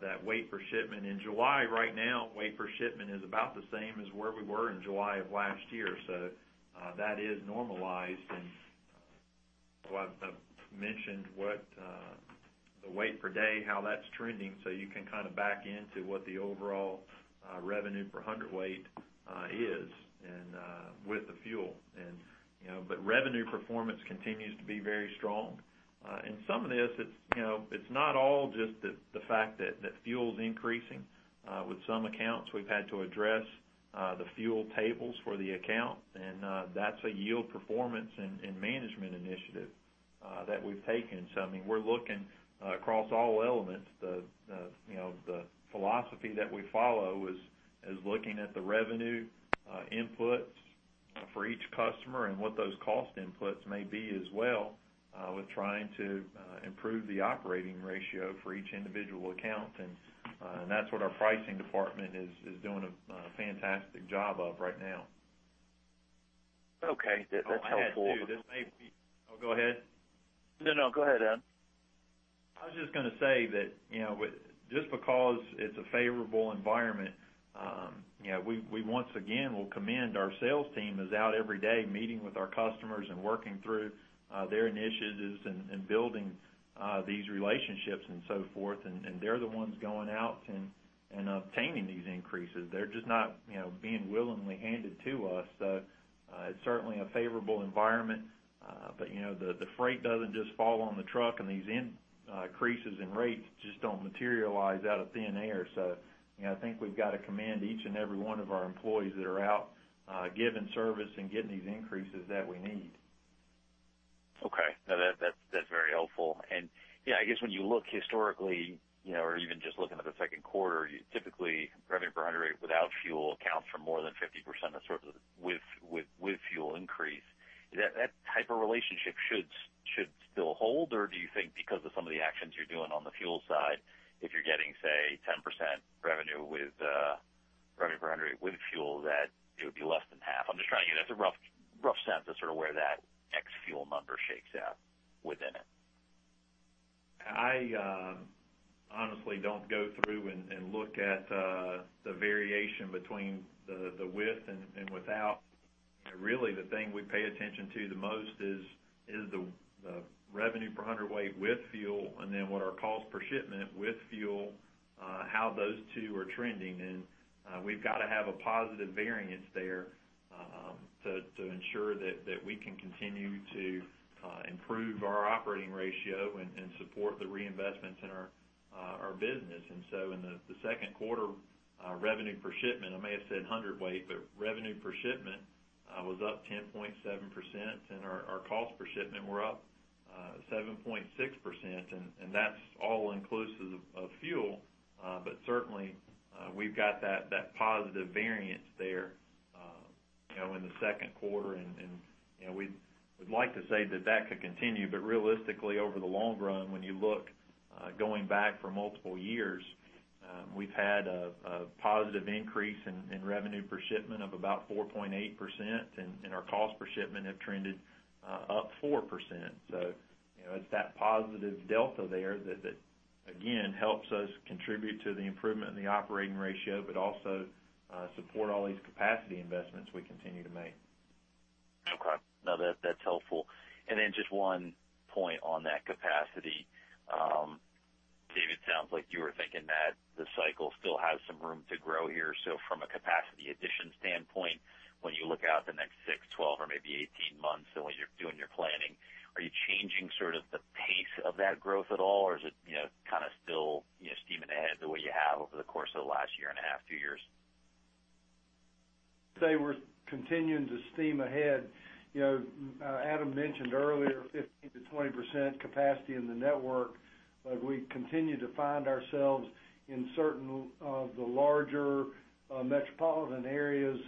that weight per shipment in July, right now, weight per shipment is about the same as where we were in July of last year. That is normalized. I've mentioned what the weight per day, how that's trending, so you can back into what the overall revenue per hundredweight is and with the fuel. Revenue performance continues to be very strong. Some of this, it's not all just the fact that fuel's increasing. With some accounts, we've had to address the fuel tables for the account, and that's a yield performance and management initiative that we've taken. I mean, we're looking across all elements. The philosophy that we follow is looking at the revenue inputs for each customer and what those cost inputs may be as well with trying to improve the operating ratio for each individual account. That's what our pricing department is doing a fantastic job of right now.
Okay. That's helpful.
Oh, go ahead.
No, no, go ahead, Adam.
I was just going to say that just because it's a favorable environment, we once again will commend our sales team is out every day meeting with our customers and working through their initiatives and building these relationships and so forth, and they're the ones going out and obtaining these increases. They're just not being willingly handed to us. It's certainly a favorable environment, but the freight doesn't just fall on the truck, and these increases in rates just don't materialize out of thin air. I think we've got to commend each and every one of our employees that are out giving service and getting these increases that we need.
Okay. No, that's very helpful. Yeah, I guess when you look historically, or even just looking at the second quarter, typically revenue per hundredweight without fuel accounts for more than 50% of sort of the with fuel increase. That type of relationship should still hold or do you think because of some of the actions you're doing on the fuel side, if you're getting, say, 10% revenue per hundredweight with fuel, that it would be less than half? I'm just trying to get a rough sense of sort of where that ex fuel number shakes out within it.
I honestly don't go through and look at the variation between the with and without. Really, the thing we pay attention to the most is the revenue per hundredweight with fuel and then what our cost per shipment with fuel, how those two are trending. We've got to have a positive variance there to ensure that we can continue to improve our operating ratio and support the reinvestments in our business. So in the second quarter, our revenue per shipment, I may have said hundredweight, but revenue per shipment was up 10.7% and our cost per shipment were up 7.6%, and that's all inclusive of fuel. Certainly, we've got that positive variance there in the second quarter, and we'd like to say that that could continue, but realistically over the long run, when you look going back for multiple years We've had a positive increase in revenue per shipment of about 4.8%, and our cost per shipment have trended up 4%. It's that positive delta there that, again, helps us contribute to the improvement in the operating ratio, but also support all these capacity investments we continue to make.
Okay. No, that's helpful. Then just one point on that capacity. David, sounds like you were thinking that the cycle still has some room to grow here. From a capacity addition standpoint, when you look out the next six, 12, or maybe 18 months, and when you're doing your planning, are you changing sort of the pace of that growth at all, or is it still steaming ahead the way you have over the course of the last year and a half, two years?
I'd say we're continuing to steam ahead. Adam mentioned earlier, 15%-20% capacity in the network, we continue to find ourselves in certain of the larger metropolitan areas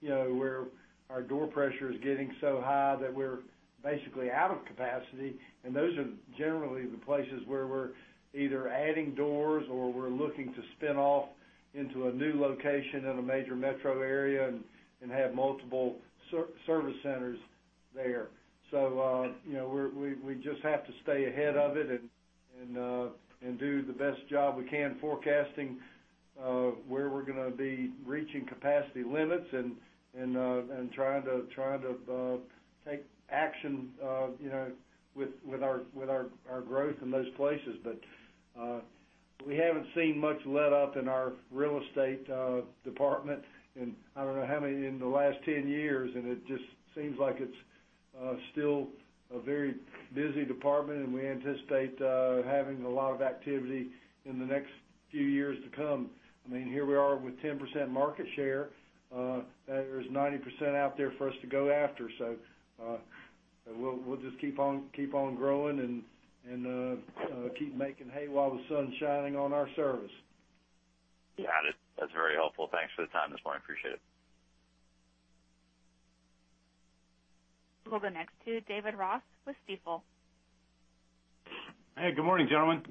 where our door pressure is getting so high that we're basically out of capacity. Those are generally the places where we're either adding doors or we're looking to spin off into a new location in a major metro area and have multiple service centers there. We just have to stay ahead of it and do the best job we can forecasting where we're going to be reaching capacity limits and trying to take action with our growth in those places. We haven't seen much letup in our real estate department in, I don't know how many, in the last 10 years, it just seems like it's still a very busy department, and we anticipate having a lot of activity in the next few years to come. Here we are with 10% market share. There's 90% out there for us to go after. We'll just keep on growing and keep making hay while the sun's shining on our service.
Got it. That's very helpful. Thanks for the time this morning. Appreciate it.
We'll go next to David Ross with Stifel.
Hey, good morning, gentlemen.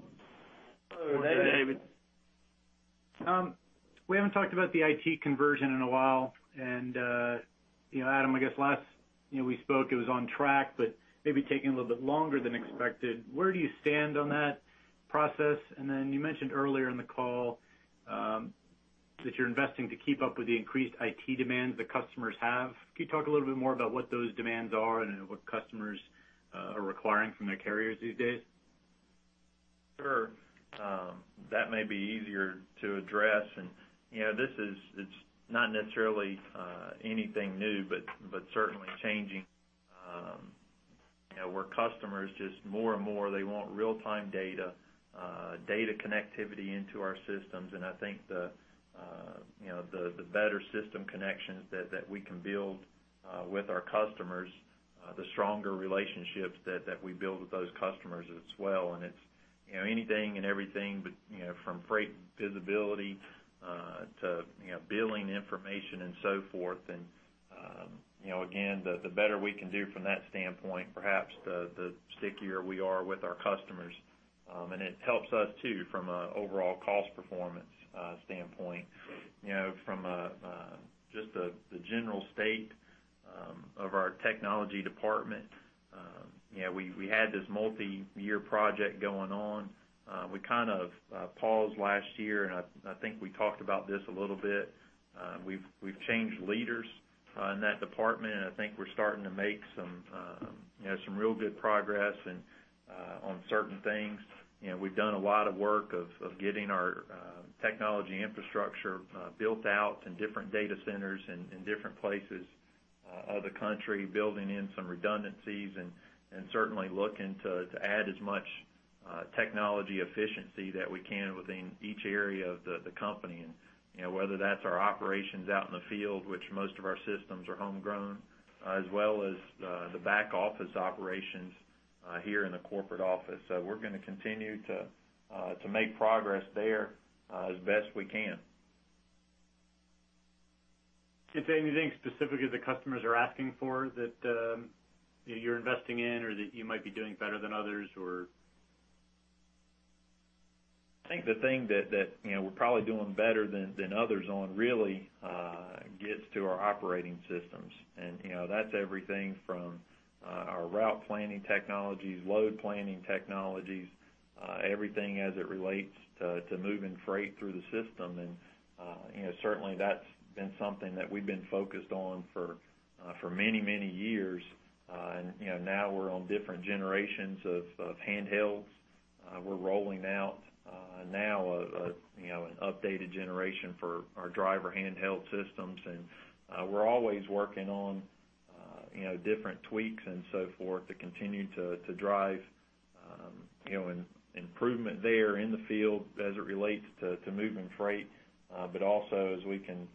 Good morning, David.
Good morning.
We haven't talked about the IT conversion in a while, Adam, I guess last we spoke it was on track, but maybe taking a little bit longer than expected. Where do you stand on that process? Then you mentioned earlier in the call that you're investing to keep up with the increased IT demands the customers have. Can you talk a little bit more about what those demands are and what customers are requiring from their carriers these days?
Sure. That may be easier to address. This is not necessarily anything new, but certainly changing, where customers just more and more, they want real-time data connectivity into our systems. I think the better system connections that we can build with our customers, the stronger relationships that we build with those customers as well. It's anything and everything, from freight visibility to billing information and so forth. Again, the better we can do from that standpoint, perhaps the stickier we are with our customers. It helps us too from an overall cost performance standpoint. From just the general state of our technology department, we had this multi-year project going on. We kind of paused last year, and I think we talked about this a little bit. We've changed leaders in that department, I think we're starting to make some real good progress on certain things. We've done a lot of work of getting our technology infrastructure built out in different data centers in different places of the country, building in some redundancies and certainly looking to add as much technology efficiency that we can within each area of the company. Whether that's our operations out in the field, which most of our systems are homegrown, as well as the back office operations here in the corporate office. We're going to continue to make progress there as best we can.
Is there anything specific that the customers are asking for that you're investing in or that you might be doing better than others, or?
I think the thing that we're probably doing better than others on really gets to our operating systems. That's everything from our route planning technologies, load planning technologies, everything as it relates to moving freight through the system. Certainly, that's been something that we've been focused on for many, many years. Now we're on different generations of handhelds. We're rolling out now an updated generation for our driver handheld systems, and we're always working on different tweaks and so forth to continue to drive improvement there in the field as it relates to moving freight. Also, as we can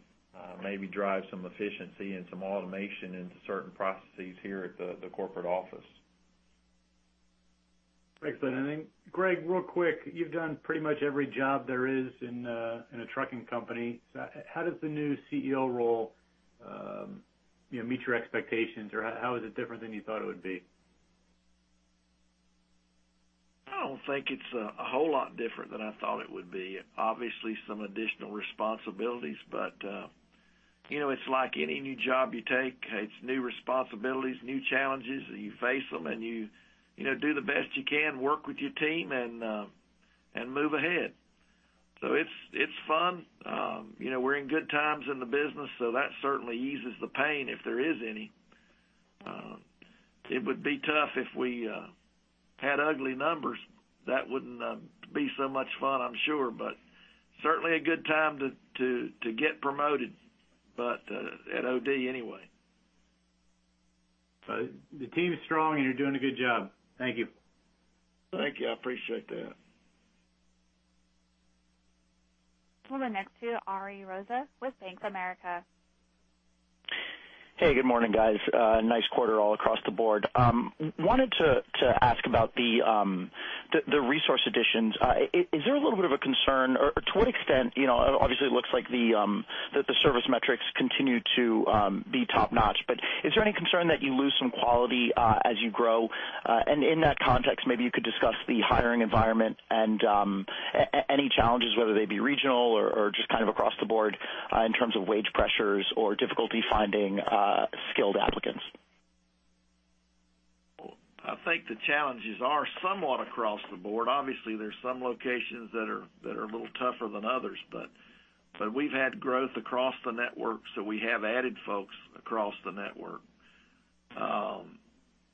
maybe drive some efficiency and some automation into certain processes here at the corporate office.
Excellent. Greg, real quick, you've done pretty much every job there is in a trucking company. How does the new CEO role meet your expectations, or how is it different than you thought it would be?
I don't think it's a whole lot different than I thought it would be. Obviously, some additional responsibilities, it's like any new job you take, it's new responsibilities, new challenges, you face them and you do the best you can, work with your team, and move ahead. It's fun. We're in good times in the business, that certainly eases the pain, if there is any. It would be tough if we had ugly numbers. That wouldn't be so much fun, I'm sure. Certainly a good time to get promoted, at OD anyway.
The team is strong, you're doing a good job. Thank you.
Thank you. I appreciate that.
We'll go next to Ariel Rosa with Bank of America.
Hey, good morning, guys. Nice quarter all across the board. Wanted to ask about the resource additions. Is there a little bit of a concern, or to what extent, obviously, it looks like the service metrics continue to be top-notch, but is there any concern that you lose some quality as you grow? In that context, maybe you could discuss the hiring environment and any challenges, whether they be regional or just kind of across the board in terms of wage pressures or difficulty finding skilled applicants.
I think the challenges are somewhat across the board. Obviously, there's some locations that are a little tougher than others. We've had growth across the network, so we have added folks across the network.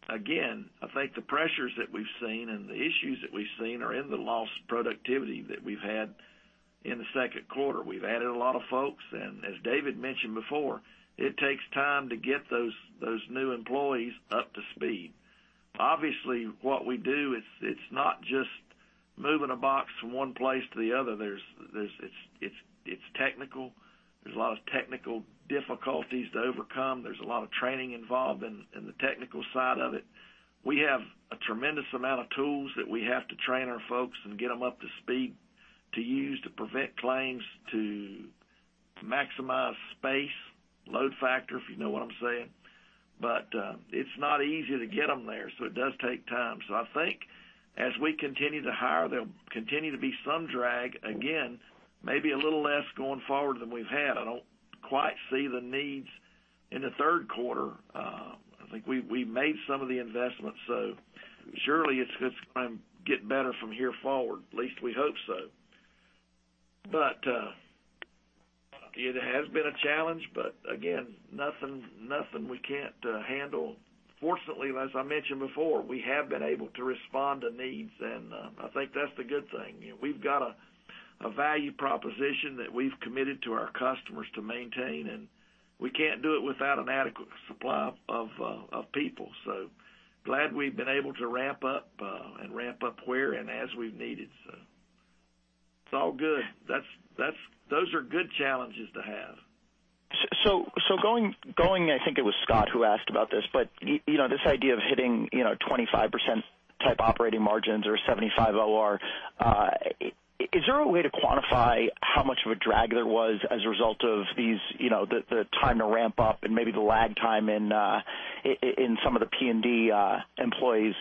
Again, I think the pressures that we've seen and the issues that we've seen are in the lost productivity that we've had in the second quarter. We've added a lot of folks, as David mentioned before, it takes time to get those new employees up to speed. Obviously, what we do, it's not just moving a box from one place to the other. It's technical. There's a lot of technical difficulties to overcome. There's a lot of training involved in the technical side of it. We have a tremendous amount of tools that we have to train our folks and get them up to speed to use to prevent claims to maximize space, load factor, if you know what I'm saying. It's not easy to get them there, so it does take time. I think as we continue to hire, there'll continue to be some drag, again, maybe a little less going forward than we've had. I don't quite see the needs in the third quarter. I think we made some of the investments, surely it's going to get better from here forward. At least we hope so. It has been a challenge, again, nothing we can't handle. Fortunately, as I mentioned before, we have been able to respond to needs, I think that's the good thing. We've got a value proposition that we've committed to our customers to maintain, and we can't do it without an adequate supply of people. Glad we've been able to ramp up and ramp up where and as we've needed. It's all good. Those are good challenges to have.
Going, I think it was Scott who asked about this, but this idea of hitting 25% type operating margins or 75 OR, is there a way to quantify how much of a drag there was as a result of the time to ramp up and maybe the lag time in some of the P&D employees?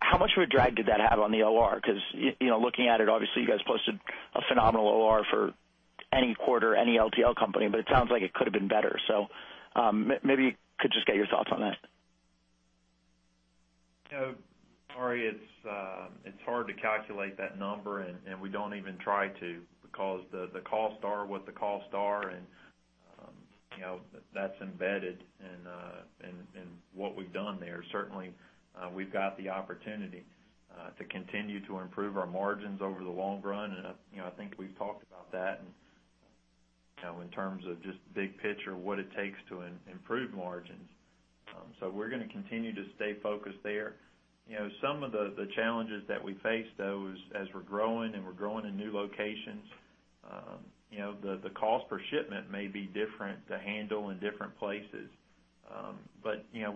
How much of a drag did that have on the OR? Because looking at it, obviously, you guys posted a phenomenal OR for any quarter, any LTL company, but it sounds like it could have been better. Maybe you could just get your thoughts on that.
Ari, it's hard to calculate that number, and we don't even try to because the costs are what the costs are, and that's embedded in what we've done there. Certainly, we've got the opportunity to continue to improve our margins over the long run, and I think we've talked about that in terms of just big picture, what it takes to improve margins. We're going to continue to stay focused there. Some of the challenges that we face, though, as we're growing and we're growing in new locations, the cost per shipment may be different to handle in different places.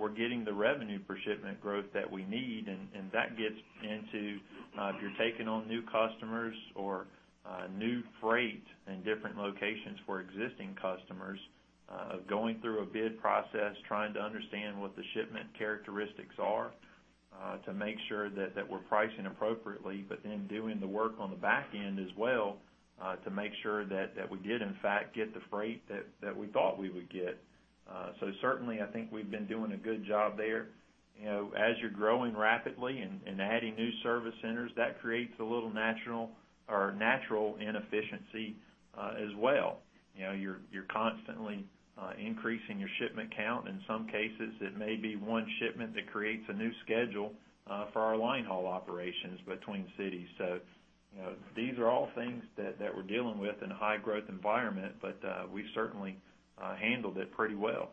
We're getting the revenue per shipment growth that we need, and that gets into if you're taking on new customers or new freight in different locations for existing customers, going through a bid process, trying to understand what the shipment characteristics are to make sure that we're pricing appropriately, but then doing the work on the back end as well to make sure that we did in fact get the freight that we thought we would get. Certainly, I think we've been doing a good job there. As you're growing rapidly and adding new service centers, that creates a little natural inefficiency as well. You're constantly increasing your shipment count. In some cases, it may be one shipment that creates a new schedule for our line haul operations between cities. These are all things that we're dealing with in a high growth environment, but we've certainly handled it pretty well.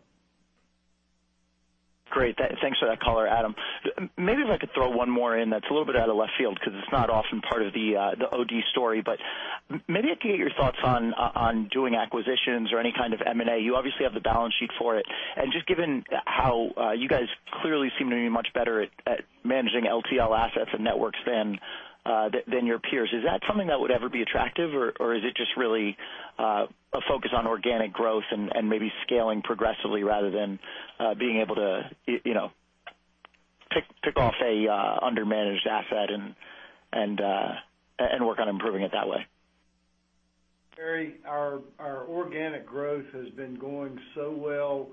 Great. Thanks for that color, Adam. If I could throw one more in that's a little bit out of left field because it's not often part of the OD story, but I could get your thoughts on doing acquisitions or any kind of M&A. You obviously have the balance sheet for it. Just given how you guys clearly seem to be much better at managing LTL assets and networks than than your peers. Is that something that would ever be attractive, or is it just really a focus on organic growth and maybe scaling progressively rather than being able to pick off a undermanaged asset and work on improving it that way?
Ariel, our organic growth has been going so well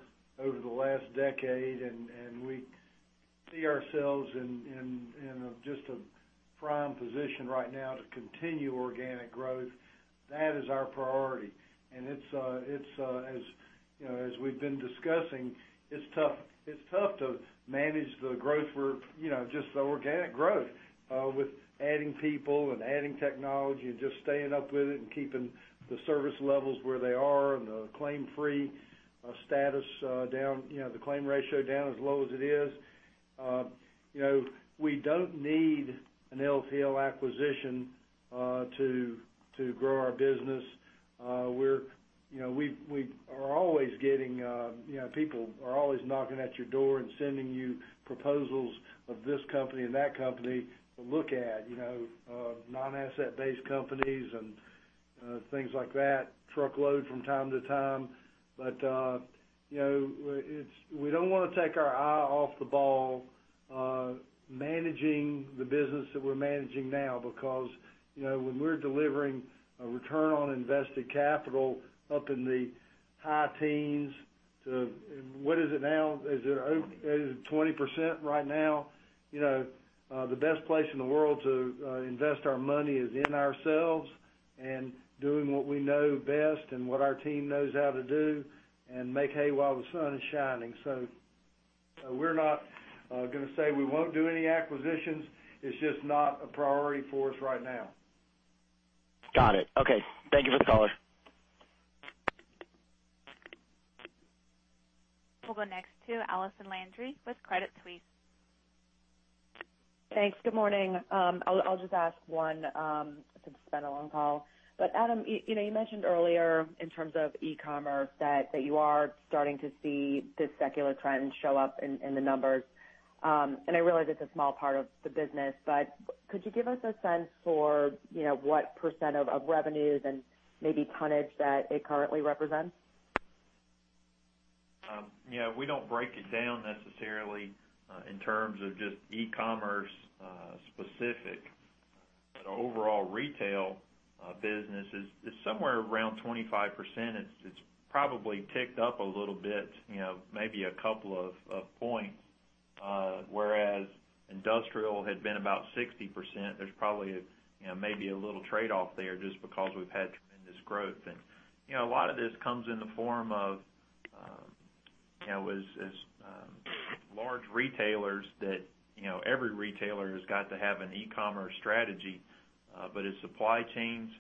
over the last decade, and we see ourselves in just a prime position right now to continue organic growth. That is our priority. As we've been discussing, it's tough to manage the growth. We're just organic growth, with adding people and adding technology and just staying up with it and keeping the service levels where they are and the claim-free status down, the claim ratio down as low as it is. We don't need an LTL acquisition to grow our business. People are always knocking at your door and sending you proposals of this company and that company to look at. Non-asset-based companies and things like that, truckload from time to time. We don't want to take our eye off the ball managing the business that we're managing now because when we're delivering a return on invested capital up in the high teens to What is it now? Is it over-
20
20% right now? The best place in the world to invest our money is in ourselves and doing what we know best and what our team knows how to do and make hay while the sun is shining. We're not going to say we won't do any acquisitions. It's just not a priority for us right now.
Got it. Okay. Thank you for the color.
We'll go next to Allison Landry with Credit Suisse.
Thanks. Good morning. I'll just ask one since it's been a long call. Adam, you mentioned earlier in terms of e-commerce that you are starting to see this secular trend show up in the numbers. I realize it's a small part of the business, but could you give us a sense for what % of revenues and maybe tonnage that it currently represents?
We don't break it down necessarily in terms of just e-commerce specific. Overall retail business is somewhere around 25%. It's probably ticked up a little bit, maybe a couple of points. Whereas industrial had been about 60%. There's probably maybe a little trade-off there just because we've had tremendous growth. A lot of this comes in the form of as large retailers that every retailer has got to have an e-commerce strategy. As supply chains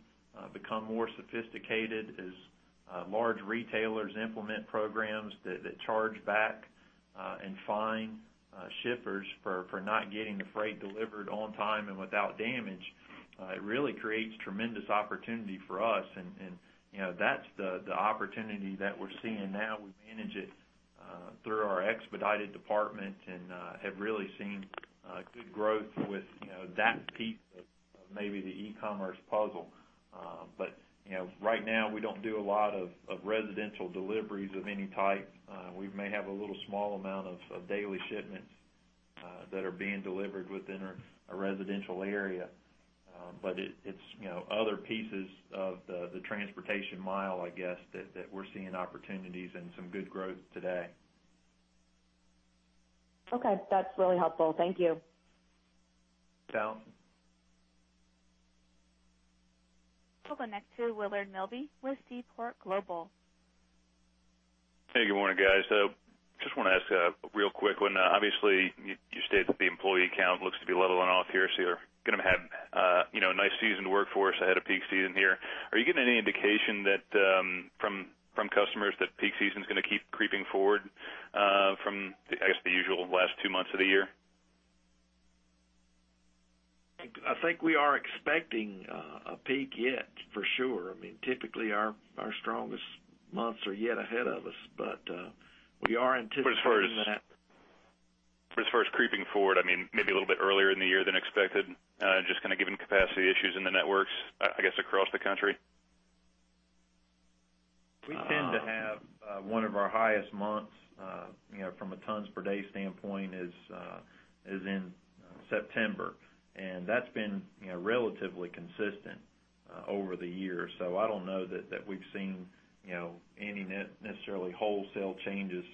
become more sophisticated, as large retailers implement programs that charge back and fine shippers for not getting the freight delivered on time and without damage, it really creates tremendous opportunity for us. That's the opportunity that we're seeing now. We manage it through our expedited department and have really seen good growth with that piece of maybe the e-commerce puzzle. Right now, we don't do a lot of residential deliveries of any type. We may have a little small amount of daily shipments that are being delivered within a residential area. It's other pieces of the transportation mile, I guess, that we're seeing opportunities and some good growth today.
Okay. That's really helpful. Thank you.
You bet.
We'll go next to Willard Milby with Seaport Global.
Hey, good morning, guys. Just want to ask a real quick one. Obviously, you stated that the employee count looks to be leveling off here, so you're going to have a nice seasoned workforce ahead of peak season here. Are you getting any indication from customers that peak season's going to keep creeping forward from, I guess, the usual last two months of the year?
I think we are expecting a peak yet, for sure. Typically, our strongest months are yet ahead of us, but we are anticipating that.
As far as creeping forward, maybe a little bit earlier in the year than expected, just given capacity issues in the networks, I guess, across the country.
We tend to have one of our highest months, from a tons per day standpoint is in September, and that's been relatively consistent over the years. I don't know that we've seen any necessarily wholesale changes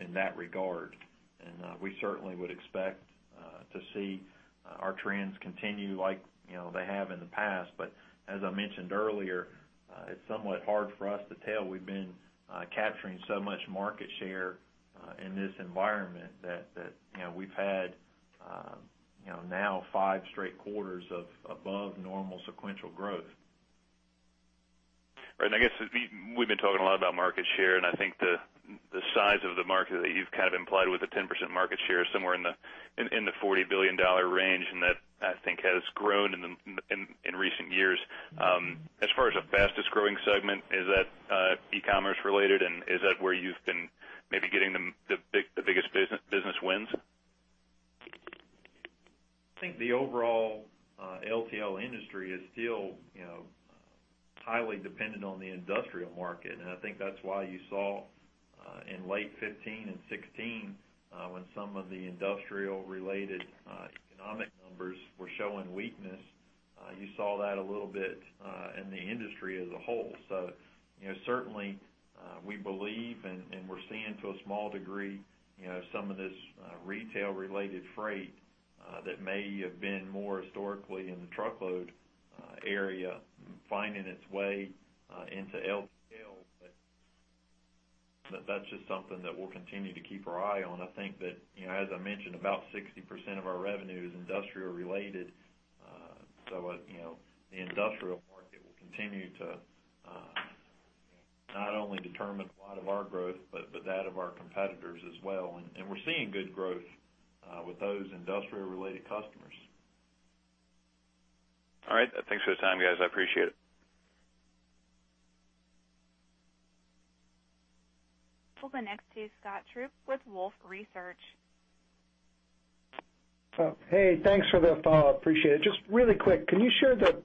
in that regard. We certainly would expect to see our trends continue like they have in the past. As I mentioned earlier, it's somewhat hard for us to tell. We've been capturing so much market share in this environment that we've had now five straight quarters of above normal sequential growth.
Right. I guess we've been talking a lot about market share, and I think the size of the market that you've implied with the 10% market share is somewhere in the $40 billion range, and that I think has grown in the segment, is that, e-commerce related and is that where you've been maybe getting the biggest business wins?
I think the overall LTL industry is still highly dependent on the industrial market. I think that's why you saw in late 2015 and 2016, when some of the industrial-related economic numbers were showing weakness, you saw that a little bit in the industry as a whole. Certainly, we believe and we're seeing to a small degree, some of this retail-related freight that may have been more historically in the truckload area, finding its way into LTL. That's just something that we'll continue to keep our eye on. I think that, as I mentioned, about 60% of our revenue is industrial related. The industrial market will continue to not only determine a lot of our growth, but that of our competitors as well. We're seeing good growth with those industrial-related customers.
All right. Thanks for the time, guys. I appreciate it.
We'll go next to Scott Group with Wolfe Research.
Hey, thanks for the follow-up. Appreciate it. Just really quick, can you share the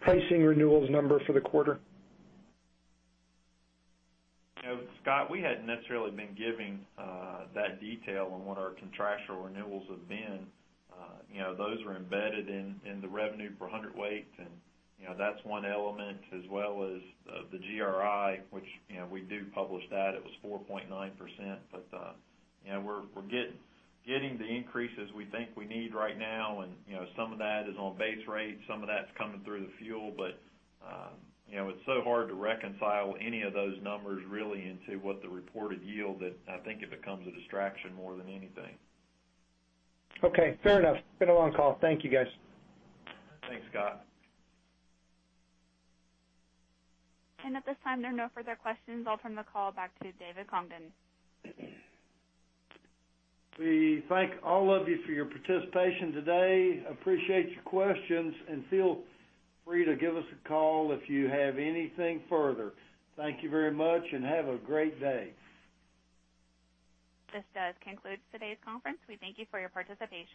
pricing renewals number for the quarter?
Scott, we hadn't necessarily been giving that detail on what our contractual renewals have been. Those are embedded in the revenue per hundredweight and that's one element as well as the GRI, which we do publish that it was 4.9%. We're getting the increases we think we need right now and some of that is on base rate, some of that's coming through the fuel. It's so hard to reconcile any of those numbers really into what the reported yield that I think it becomes a distraction more than anything.
Okay. Fair enough. Been a long call. Thank you, guys.
Thanks, Scott.
At this time, there are no further questions. I'll turn the call back to David Congdon.
We thank all of you for your participation today. Appreciate your questions, and feel free to give us a call if you have anything further. Thank you very much and have a great day.
This does conclude today's conference. We thank you for your participation